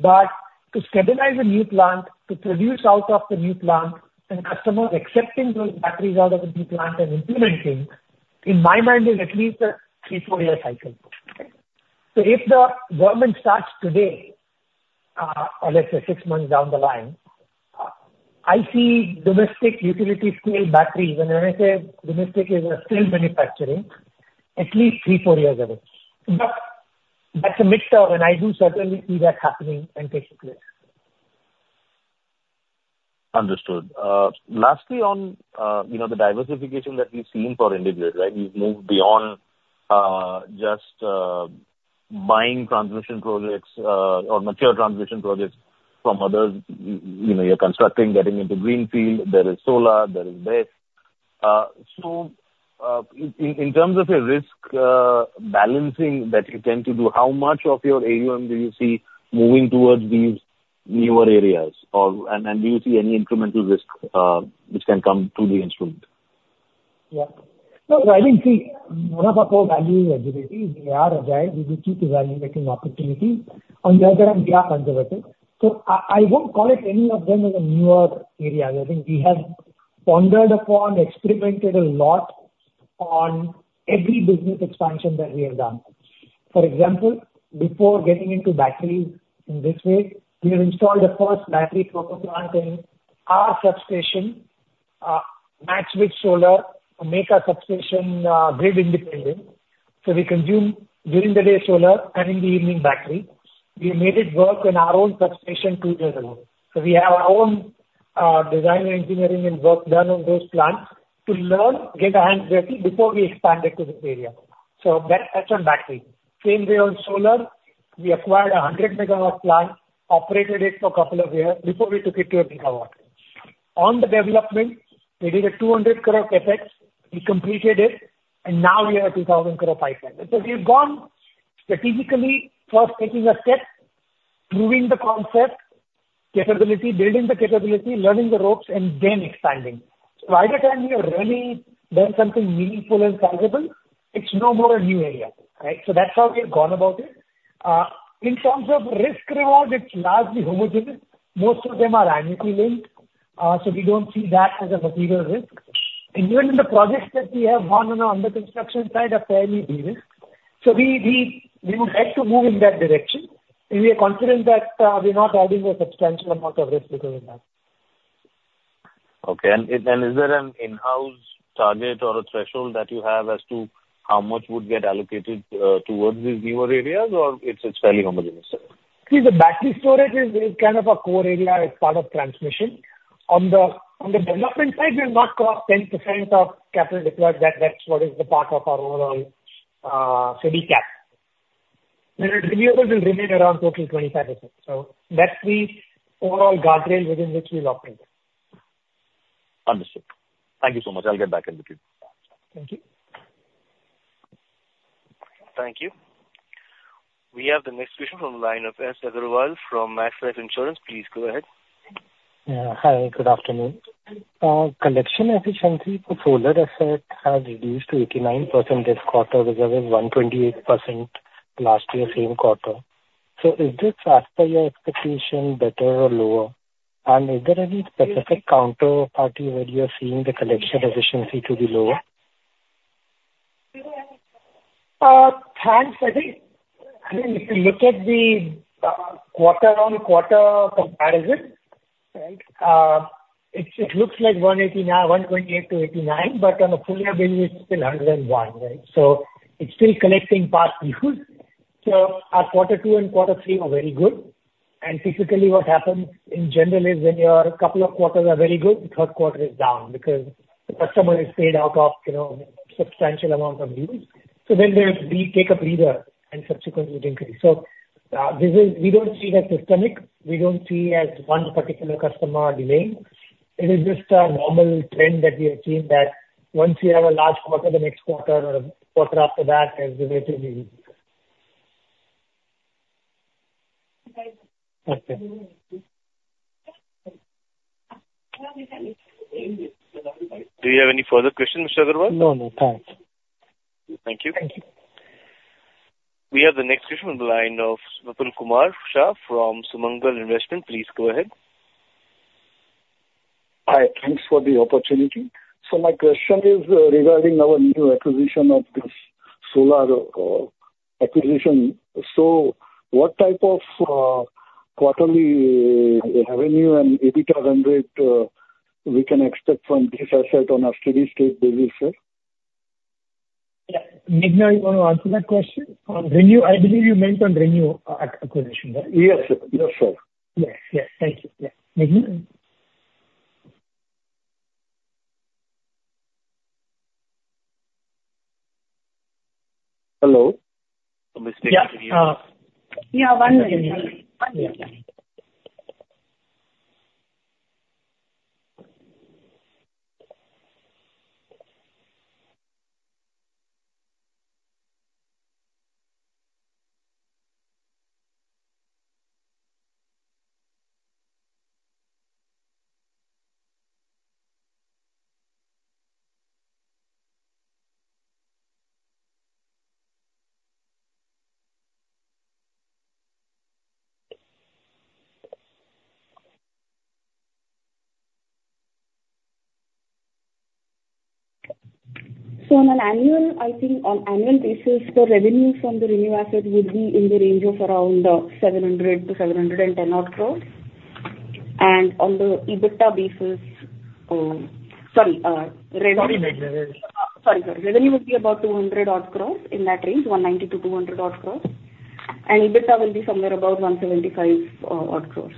C: but to stabilize a new plant, to produce out of the new plant, and customers accepting those batteries out of the new plant and implementing, in my mind, is at least a 3-4-year cycle. So if the government starts today, or let's say six months down the line, I see domestic utility-scale batteries, and when I say domestic, is we're still manufacturing at least 3-4 years away. But that's a mixture, and I do certainly see that happening and taking place.
B: Understood. Lastly, on, you know, the diversification that we've seen for IndiGrid, right, you've moved beyond, just, buying transmission projects, or mature transmission projects from others. You know, you're constructing, getting into greenfield, there is solar, there is this. So, in terms of a risk, balancing that you tend to do, how much of your AUM do you see moving towards these newer areas, or, and, and do you see any incremental risk, which can come to the instrument?
C: Yeah. No, I think, see, one of our core values is agility. We are agile. We will keep evaluating opportunities. On the other hand, we are conservative. So I, I won't call it any of them as a newer areas. I think we have pondered upon, experimented a lot on every business expansion that we have done. For example, before getting into batteries, in this way, we have installed the first battery proper plant in our substation, matched with solar, to make our substation, grid independent. So we consume during the day solar and in the evening battery. We made it work in our own substation two years ago. So we have our own, design and engineering and work done on those plants to learn, get our hands-free dirty before we expand it to this area. So that's on battery. Same way on solar, we acquired a 100 MW plant, operated it for a couple of years before we took it to a GW. On the development, we did a 200 crore CapEx, we completed it, and now we have a 2,000 crore pipeline. So we've gone strategically, first taking a step, proving the concept, capability, building the capability, learning the ropes, and then expanding. So by the time we have really done something meaningful and tangible, it's no more a new area, right? So that's how we have gone about it. In terms of risk reward, it's largely homogeneous. Most of them are annually linked, so we don't see that as a material risk. And even the projects that we have gone on our under construction side are fairly de-risked. So we would like to move in that direction, and we are confident that we're not adding a substantial amount of risk because of that.
B: Okay. And is there an in-house target or a threshold that you have as to how much would get allocated towards these newer areas, or it's fairly homogeneous?
C: See, the battery storage is kind of a core area. It's part of transmission. On the development side, we'll not cross 10% of capital deployed, that's what is the part of our overall steady cap. And renewables will remain around total 25%. So that's the overall guardrail within which we'll operate.
B: Understood. Thank you so much. I'll get back in with you.
C: Thank you.
A: Thank you. We have the next question from the line of S Agarwal from Max Life Insurance. Please go ahead.
H: Yeah. Hi, good afternoon. Collection efficiency for solar asset has reduced to 89% this quarter, which was 128% last year, same quarter. So is this as per your expectation, better or lower? And is there any specific counterparty where you are seeing the collection efficiency to be lower?
C: Thanks. I think, I mean, if you look at the quarter-on-quarter comparison, right, it looks like 128-89, but on a full year basis, it's still 101, right? So it's still collecting past dues. So our quarter two and quarter three were very good, and typically what happens in general is when your couple of quarters are very good, the third quarter is down because the customer is paid off of, you know, substantial amount of dues. So then there's we take a breather and subsequently increase. So, this is... We don't see it as systemic. We don't see as one particular customer delaying. It is just a normal trend that we have seen, that once you have a large quarter, the next quarter or quarter after that is relatively good.
H: Okay.
A: Do you have any further questions, Mr. Agarwal?
H: No, no, thanks.
A: Thank you.
H: Thank you.
A: We have the next question on the line of Nipul Kumar Shah from Sumangal Investment. Please go ahead.
I: Hi, thanks for the opportunity. So my question is, regarding our new acquisition of this solar acquisition. So what type of quarterly revenue and EBITDA hundred we can expect from this asset on a steady state basis, sir?...
C: Yeah, Meghana, you want to answer that question? On Renew, I believe you meant on Renew, acquisition, right?
I: Yes, sir. Yes, sir.
C: Yes. Yes. Thank you. Yeah, Meghana?
F: Hello? Am I still muted?
C: Yeah. Uh,
F: Yeah, one moment. One moment. So on an annual, I think on annual basis, the revenue from the ReNew asset would be in the range of around 700-710 odd crore. And on the EBITDA basis, sorry, revenue-
C: Sorry, Meghana.
F: Sorry, sorry. Revenue would be about 200 odd crores, in that range, 190-200 odd crores. And EBITDA will be somewhere about 175 odd crores.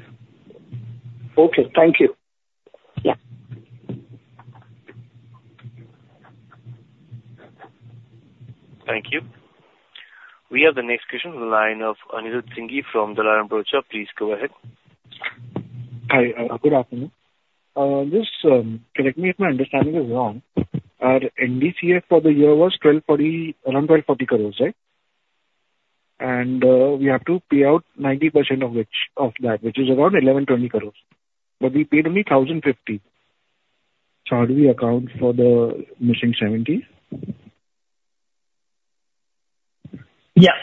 C: Okay, thank you.
F: Yeah.
A: Thank you. We have the next question on the line of Anirudh Singhi from the Dolat Capital. Please go ahead.
J: Hi, good afternoon. Just, correct me if my understanding is wrong, our NDCF for the year was 1,240 crores, around 1,240 crores, right? And, we have to pay out 90% of which, of that, which is around INR 1,120 crores, but we paid only INR 1,050. So how do we account for the missing 70?
C: Yeah.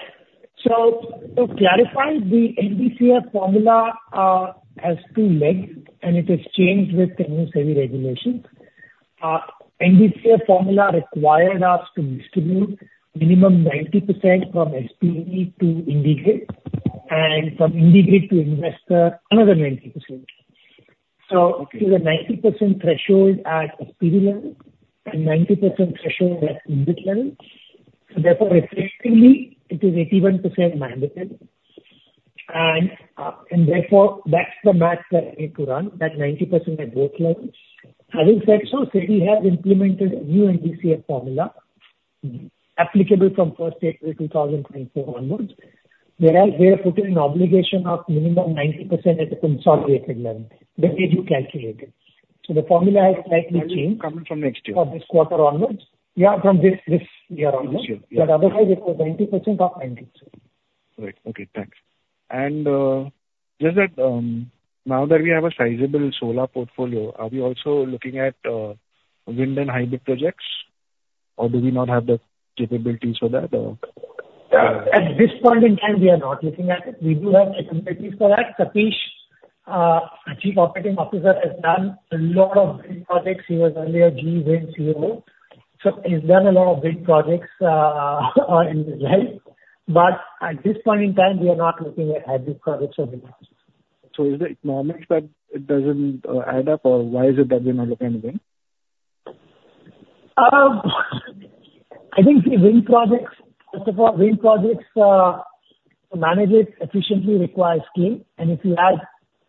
C: So, to clarify, the NDCF formula has two legs, and it has changed with the new SEBI regulations. NDCF formula required us to distribute minimum 90% from SPV to IndiGrid, and from IndiGrid to investor, another 90%. So it is a 90% threshold at SPV level and 90% threshold at IndiGrid level. So therefore, effectively, it is 81% mandated. And, and therefore, that's the math that we need to run, that 90% at both levels. Having said so, SEBI has implemented a new NDCF formula, applicable from April 1, 2024 onwards, whereas we have put an obligation of minimum 90% at the consolidated level, the way you calculate it. So the formula has slightly changed-
J: Coming from next year.
C: From this quarter onwards. Yeah, from this, this year onwards.
J: This year, yeah.
C: Otherwise, it was 90% of 90%.
J: Right. Okay, thanks. And, just that, now that we have a sizable solar portfolio, are we also looking at wind and hybrid projects, or do we not have the capabilities for that?
C: At this point in time, we are not looking at it. We do have capabilities for that. Satish, our Chief Operating Officer, has done a lot of wind projects. He was earlier GE Wind CEO, so he's done a lot of wind projects, in his life. But at this point in time, we are not looking at hybrid projects or wind projects.
J: Is it economics that it doesn't add up, or why is it that we're not looking at wind?
C: I think the wind projects, first of all, wind projects, to manage it efficiently requires skill, and if you have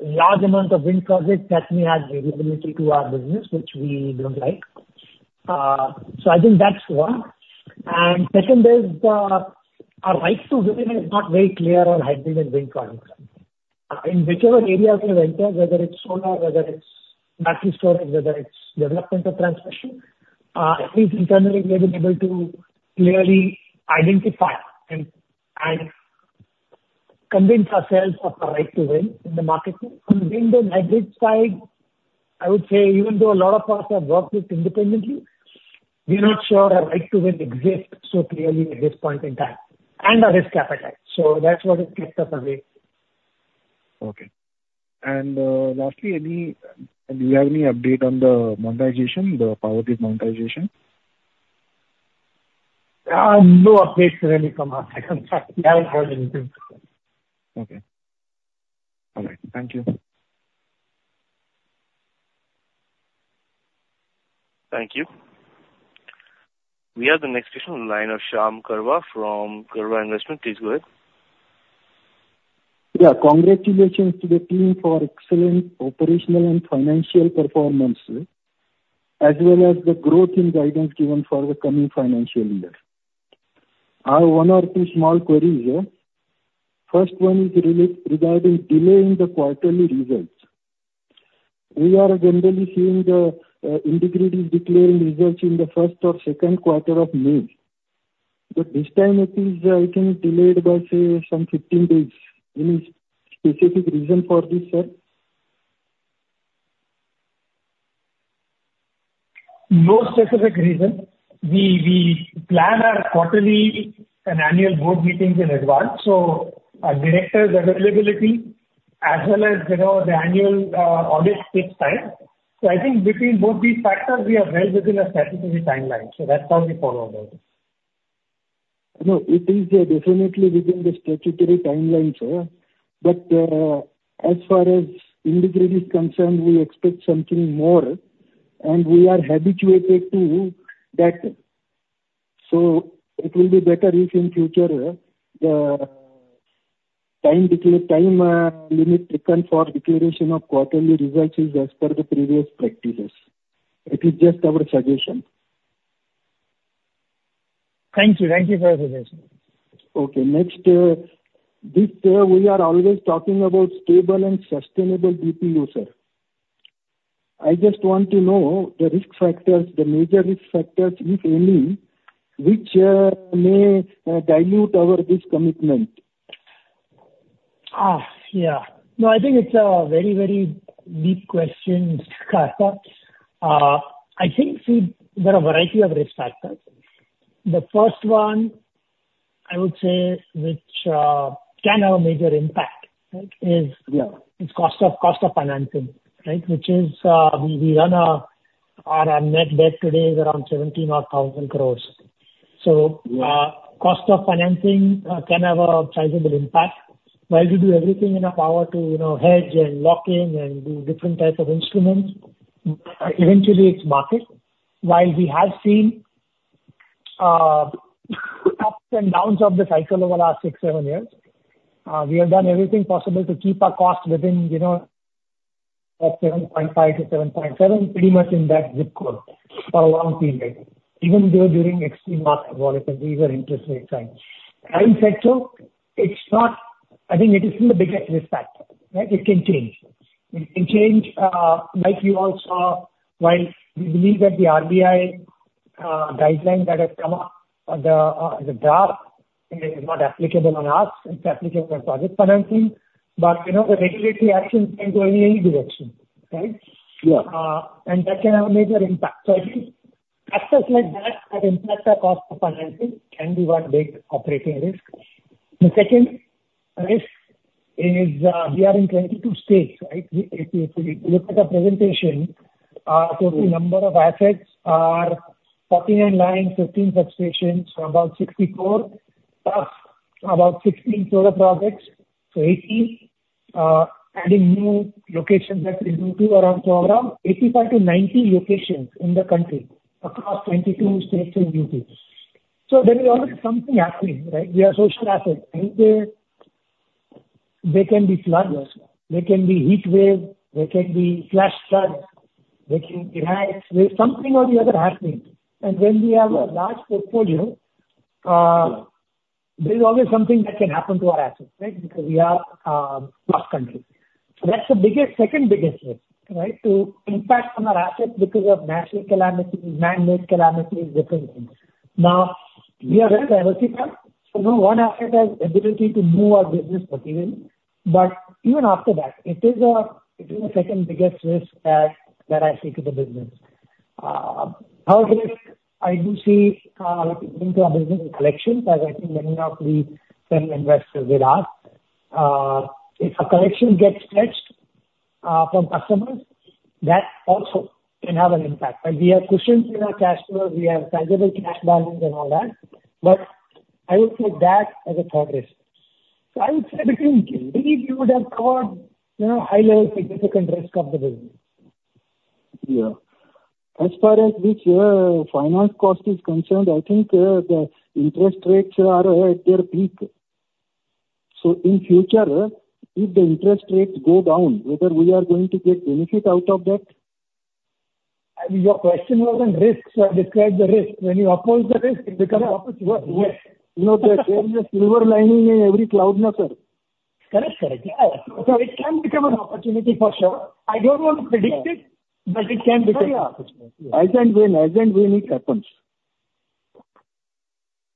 C: large amount of wind projects, that may add variability to our business, which we don't like. So I think that's one. And second is, our right to win is not very clear on hybrid and wind projects. In whichever area we have entered, whether it's solar, whether it's battery storage, whether it's development or transmission, at least internally, we've been able to clearly identify and convince ourselves of our right to win in the market. On wind and hybrid side, I would say even though a lot of us have worked with independently, we're not sure a right to win exists so clearly at this point in time, and the risk capital. So that's what has kept us away.
J: Okay. And lastly, do you have any update on the monetization, the power grid monetization?
C: No updates really from us. I can't, we haven't heard anything.
J: Okay. All right, thank you.
A: Thank you. We have the next question on the line of Shyam Karwa from Karwa Investment. Please go ahead.
K: Yeah, congratulations to the team for excellent operational and financial performance, sir, as well as the growth in guidance given for the coming financial year. I have one or two small queries, yeah. First one is regarding delay in the quarterly results. We are generally seeing the IndiGrid is declaring results in the first or second quarter of May, but this time it is, I think delayed by, say, some 15 days. Any specific reason for this, sir?
C: No specific reason. We plan our quarterly and annual board meetings in advance, so our directors' availability, as well as, you know, the annual audit takes time. So I think between both these factors, we are well within a statutory timeline, so that's how we follow up on this....
K: No, it is definitely within the statutory timelines, sir. But, as far as IndiGrid is concerned, we expect something more, and we are habituated to that. So it will be better if in future, the timeline taken for declaration of quarterly results is as per the previous practices. It is just our suggestion.
C: Thank you. Thank you for the suggestion.
K: Okay, next, this, we are always talking about stable and sustainable DPU, sir. I just want to know the risk factors, the major risk factors, if any, which may dilute our this commitment.
C: Ah! Yeah. No, I think it's a very, very deep question, Mr. Carter. I think see, there are a variety of risk factors. The first one I would say, which, can have a major impact, right, is-
K: Yeah.
C: -is cost of, cost of financing, right? Which is, we, we run a, our, our net debt today is around 17,000 crore.
K: Yeah.
C: So, cost of financing can have a sizable impact. While we do everything in our power to, you know, hedge and lock in and do different types of instruments, eventually it's market. While we have seen ups and downs of the cycle over the last 6-7 years, we have done everything possible to keep our cost within, you know, 7.5-7.7, pretty much in that zip code for a long period, even during extreme market volatility or interest rate trends. Having said so, it's not—I think it is still the biggest risk factor, right? It can change. It can change, like you all saw, while we believe that the RBI guideline that has come up, or the draft is not applicable on us, it's applicable for project financing. You know, the regulatory actions can go in any direction, right?
K: Yeah.
C: And that can have a major impact. So I think factors like that, that impact our cost of financing can be one big operating risk. The second risk is, we are in 22 states, right? We, if you look at the presentation, our total number of assets are 39 lines, 15 substations, about 64 plus about 16 solar projects, so 18. Adding new locations that we are on to around 85 to 90 locations in the country across 22 states and UT. So there is always something happening, right? We are so strapped, and, they can be flood risks, there can be heat wave, there can be flash flood, there can be droughts. There's something or the other happening. And when we have a large portfolio,
K: Yeah.
C: There is always something that can happen to our assets, right? Because we are across country. So that's the biggest, second biggest risk, right? To impact on our assets because of natural calamities, man-made calamities, different things. Now, we are very diversified, so no one asset has ability to move our business materially. But even after that, it is a, it is the second biggest risk that, that I see to the business. Third risk I do see into our business is collections, as I think many of the current investors will ask. If a collection gets stretched from customers, that also can have an impact. But we have cushions in our cash flows, we have sizable cash balance and all that, but I would say that as a third risk. I would say between these, you would have caught, you know, high level significant risk of the business.
K: Yeah. As far as which, finance cost is concerned, I think, the interest rates are at their peak. So in future, if the interest rates go down, whether we are going to get benefit out of that?
C: I mean, your question was on risks, so I described the risk. When you oppose the risk, it becomes opportunity.
K: Yes. You know, there is a silver lining in every cloud, no, sir?
C: Correct, correct. Yeah. So it can become an opportunity for sure. I don't want to predict it.
K: Yeah.
C: But it can become an opportunity.
K: Yeah. As and when, as and when it happens.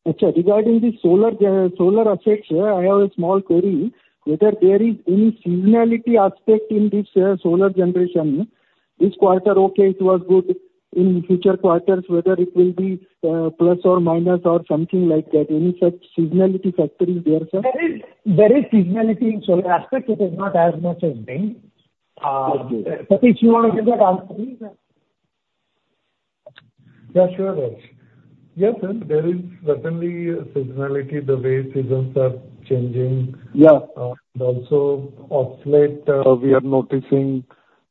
K: Okay, regarding the solar, solar assets, I have a small query, whether there is any seasonality aspect in this, solar generation? This quarter, okay, it was good. In future quarters, whether it will be, plus or minus or something like that, any such seasonality factor is there, sir?
C: There is seasonality in solar assets. It is not as much as wind.
K: Okay.
C: Satish, you want to give that answer?
D: Yeah, sure, Harsh. Yes, sir, there is certainly a seasonality, the way seasons are changing.
C: Yeah.
D: And also of late, we are noticing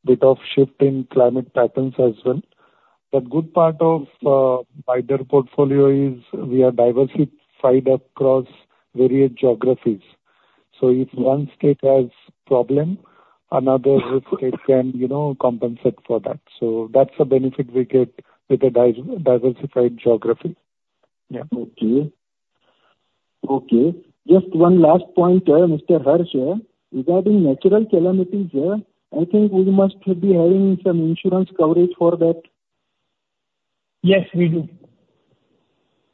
D: bit of shift in climate patterns as well. But good part of wider portfolio is we are diversified across various geographies. So if one state has problem, another state can, you know, compensate for that. So that's the benefit we get with a diversified geography. Yeah.
K: Okay. Okay, just one last point there, Mr. Harsh, regarding natural calamities, I think we must be having some insurance coverage for that.
C: Yes, we do.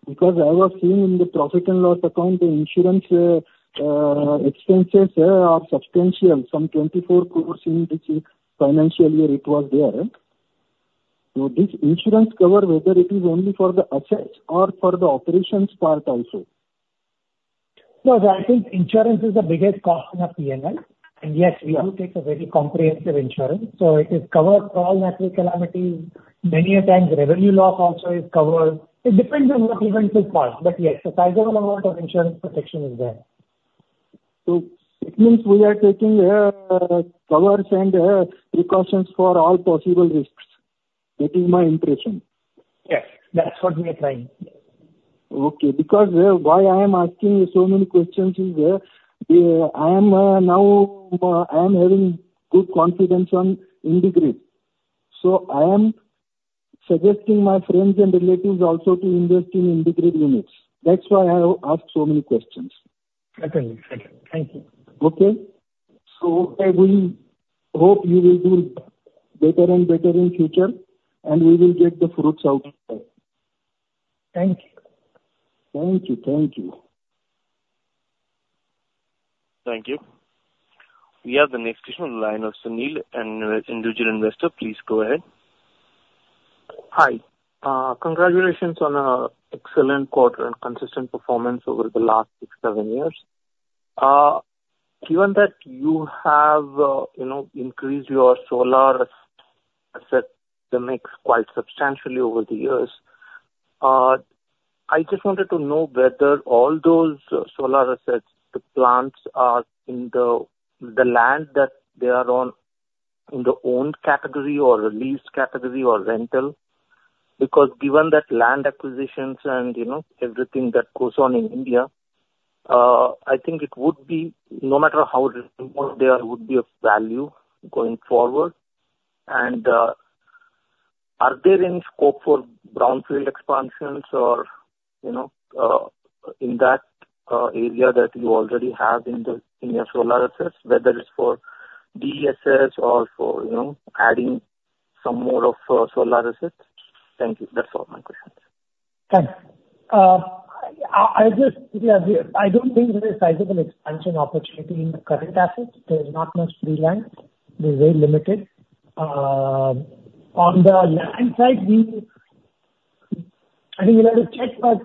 K: Because I was seeing in the profit and loss account, the insurance expenses are substantial, some 24 crore in this financial year it was there. So this insurance cover, whether it is only for the assets or for the operations part also?...
C: No, I think insurance is the biggest cost in a P&L, and yes, we do take a very comprehensive insurance, so it is covered for all natural calamities. Many a times, revenue loss also is covered. It depends on the eventual cause, but yes, a sizable amount of insurance protection is there.
K: It means we are taking covers and precautions for all possible risks. That is my impression.
C: Yes, that's what we are trying.
K: Okay. Because why I am asking you so many questions is, I am now having good confidence on IndiGrid. So I am suggesting my friends and relatives also to invest in IndiGrid units. That's why I have asked so many questions.
C: Certainly. Certainly. Thank you.
K: Okay. I will hope you will do better and better in future, and we will get the fruits out there.
C: Thank you.
K: Thank you. Thank you.
A: Thank you. We have the next question on the line of Sunil, and individual investor. Please go ahead.
L: Hi. Congratulations on an excellent quarter and consistent performance over the last 6, 7 years. Given that you have, you know, increased your solar asset, the mix, quite substantially over the years, I just wanted to know whether all those solar assets, the plants, are in the land that they are on, in the owned category or the leased category or rental? Because given that land acquisitions and, you know, everything that goes on in India, I think it would be, no matter how remote, they are, would be of value going forward. And, are there any scope for brownfield expansions or, you know, in that, area that you already have in the, in your solar assets, whether it's for BESS or for, you know, adding some more of, solar assets? Thank you. That's all my questions.
C: Thanks. I just, yeah, I don't think there's a sizable expansion opportunity in the current assets. There's not much free land. They're very limited. On the land side, I think we'll have to check,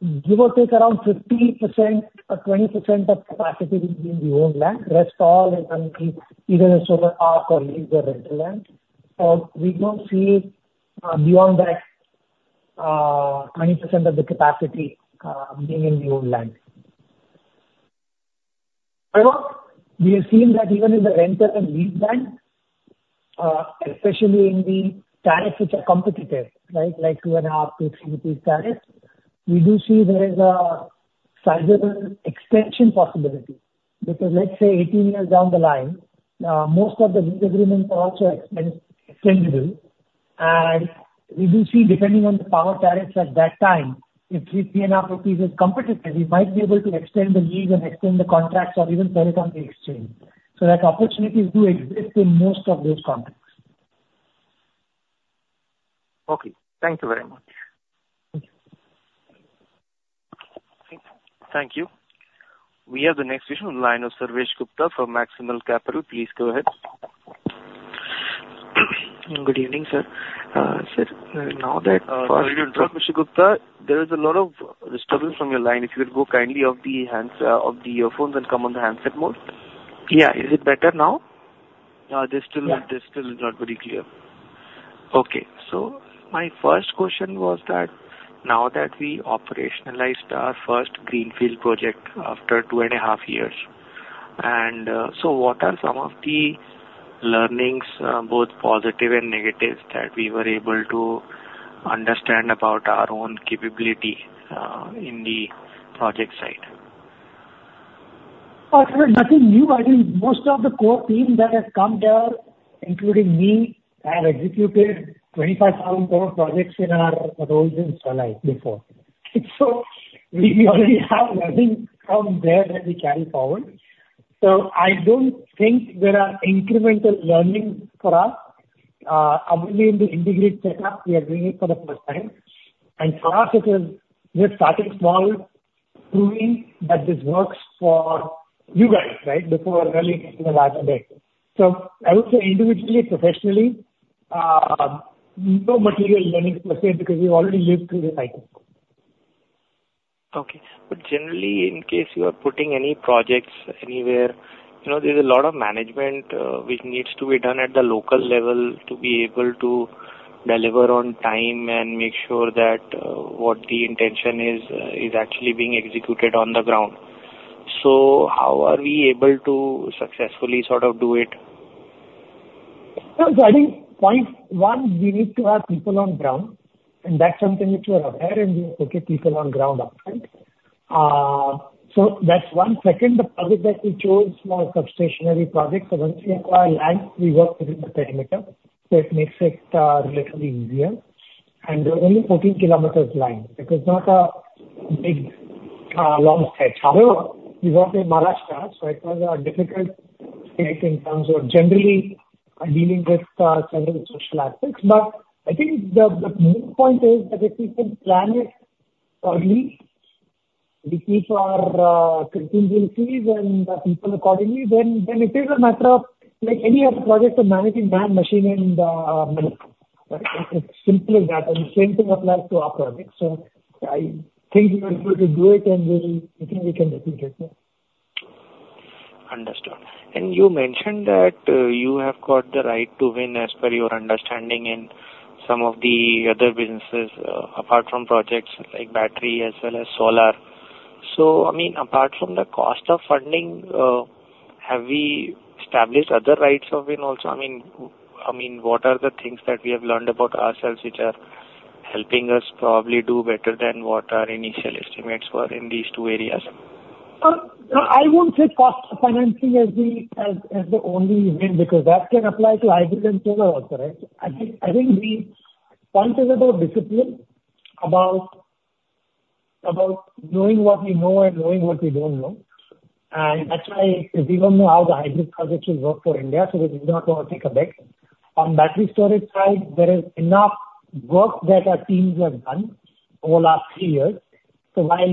C: but give or take around 50% or 20% of capacity will be in the owned land. Rest all is going to be either a solar park or use the rental land, or we don't see beyond that 20% of the capacity being in the owned land. However, we have seen that even in the rental and lease land, especially in the tariffs which are competitive, right? Like 2.5-3 rupees tariffs, we do see there is a sizable extension possibility. Because let's say 18 years down the line, most of the lease agreements are also extensible, and we do see, depending on the power tariffs at that time, if 3-3.5 rupees is competitive, we might be able to extend the lease and extend the contracts or even sell it on the exchange. So that opportunities do exist in most of those contracts.
L: Okay, thank you very much.
C: Thank you.
A: Thank you. We have the next question on the line of Sarvesh Gupta from Maximal Capital. Please go ahead.
M: Good evening, sir. Sir, now that,
A: Sorry to interrupt, Mr. Gupta. There is a lot of disturbance from your line. If you would go kindly off the hands, off the earphones and come on the handset mode.
M: Yeah. Is it better now?
A: There's still-
M: Yeah.
A: There's still not very clear.
M: Okay. So my first question was that now that we operationalized our first greenfield project after two and a half years, and, so what are some of the learnings, both positive and negatives, that we were able to understand about our own capability, in the project side?
C: There's nothing new. I think most of the core team that has come there, including me, have executed 25,000 power projects in our roles in Solar before. So we already have learning from there that we carry forward. So I don't think there are incremental learnings for us. Only in the integrated setup, we are doing it for the first time, and for us it is just starting small, proving that this works for you guys, right? Before really getting to the larger data. So I would say individually, professionally, no material learnings per se, because we've already lived through this cycle.
M: Okay. Generally, in case you are putting any projects anywhere, you know, there's a lot of management, which needs to be done at the local level to be able to deliver on time and make sure that, what the intention is, is actually being executed on the ground. How are we able to successfully sort of do it?
C: No, so I think, point one, we need to have people on ground, and that's something which we are aware and we have put people on ground upfront. So that's one. Second, the project that we chose was a substation project, so once we acquire land, we work within the perimeter, so it makes it relatively easier. And there are only 14 kilometers line. It is not a big long stretch. However, it was in Maharashtra, so it was difficult in terms of generally dealing with several social aspects. But I think the main point is that if we can plan it accordingly, we keep our contingencies and the people accordingly, then it is a matter of like any other project of managing man, machine, and material. It's as simple as that, and the same thing applies to our projects. I think we are able to do it, and we will, I think we can repeat it, yeah.
M: Understood. You mentioned that you have got the right to win as per your understanding in some of the other businesses apart from projects like battery as well as solar. I mean, apart from the cost of funding, have we established other rights of win also? I mean, what are the things that we have learned about ourselves which are helping us probably do better than what our initial estimates were in these two areas?
C: I won't say cost financing as the only event, because that can apply to hybrid and solar also, right? I think the point is about discipline, about knowing what we know and knowing what we don't know. And that's why if we don't know how the hybrid projects will work for India, so we're not going to take a bet. On battery storage side, there is enough work that our teams have done over last 3 years. So while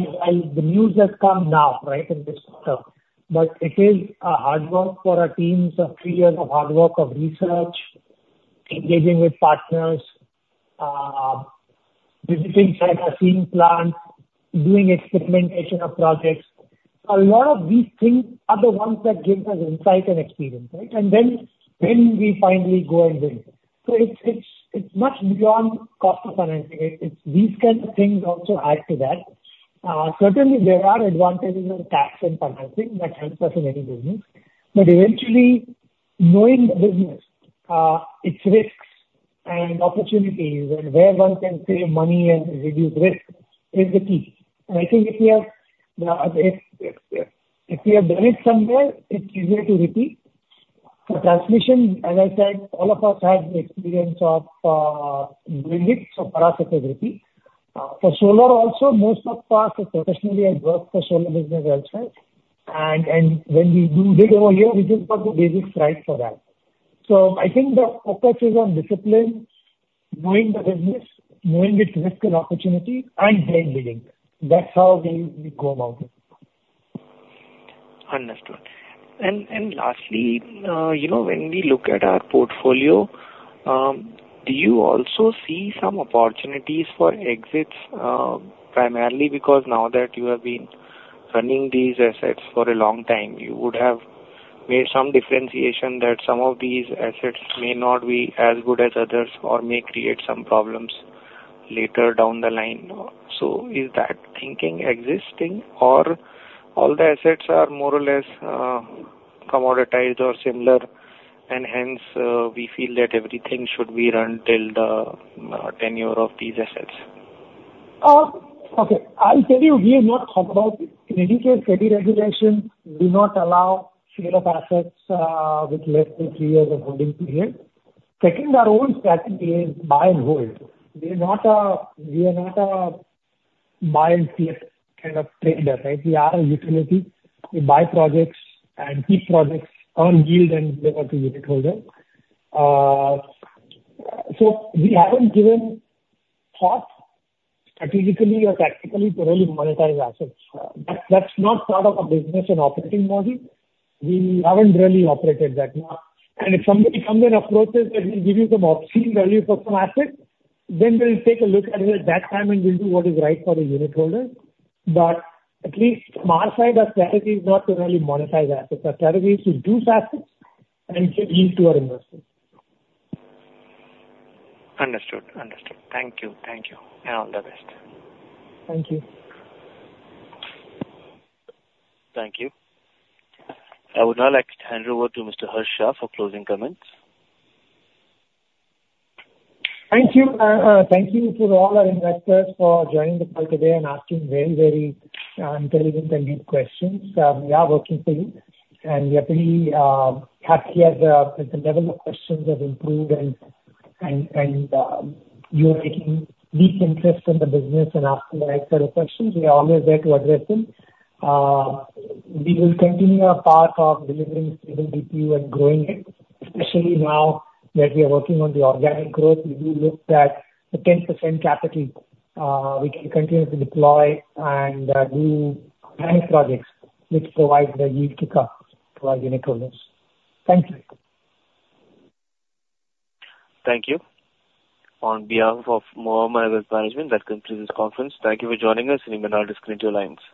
C: the news has come now, right, in this quarter, but it is hard work for our teams of 3 years of hard work of research, engaging with partners, visiting site, seeing plants, doing experimentation of projects. A lot of these things are the ones that give us insight and experience, right? And then we finally go and win. So it's much beyond cost of financing. It's these kind of things also add to that. Certainly, there are advantages on tax and financing that helps us in any business. But eventually, knowing the business, its risks and opportunities and where one can save money and reduce risk, is the key. And I think if you have done it somewhere, it's easier to repeat. So transmission, as I said, all of us have the experience of doing it, so for us it's a repeat. For solar also, most of us professionally have worked for solar business elsewhere, and when we do bid over here, we just got the basic right for that. So I think the focus is on discipline, knowing the business, knowing its risk and opportunity, and then bidding. That's how we go about it.
M: Understood. And, and lastly, you know, when we look at our portfolio, do you also see some opportunities for exits? Primarily because now that you have been running these assets for a long time, you would have made some differentiation that some of these assets may not be as good as others or may create some problems later down the line. So is that thinking existing or all the assets are more or less, commoditized or similar, and hence, we feel that everything should be run till the, tenure of these assets?
C: Okay. I'll tell you, we have not thought about it. In any case, SEBI regulations do not allow sale of assets with less than three years of holding period. Second, our own strategy is buy and hold. We are not a, we are not a buy and sell kind of trader, right? We are a utility. We buy projects and keep projects, earn yield and give out to unitholder. So we haven't given thought strategically or tactically to really monetize assets. That's, that's not part of our business and operating model. We haven't really operated that now. And if somebody comes and approaches that, "We'll give you some obscene value for some asset," then we'll take a look at it at that time, and we'll do what is right for the unitholder. But at least from our side, our strategy is not to really monetize assets. Our strategy is to do assets and give yield to our investors. Understood. Understood. Thank you. Thank you, and all the best. Thank you.
A: Thank you. I would now like to hand over to Mr. Harsh Shah for closing comments.
C: Thank you. Thank you to all our investors for joining the call today and asking very, very, intelligent and good questions. We are working for you, and we are pretty, happy as, with the level of questions have improved, and you are taking deep interest in the business and asking the right sort of questions. We are always there to address them. We will continue our path of delivering stable DPU and growing it, especially now that we are working on the organic growth. We do look at the 10% capital, we can continue to deploy and do many projects which provide the yield to our unitholders. Thank you.
A: Thank you. On behalf of Nomura Wealth Management, that concludes this conference. Thank you for joining us, and you may now disconnect your lines.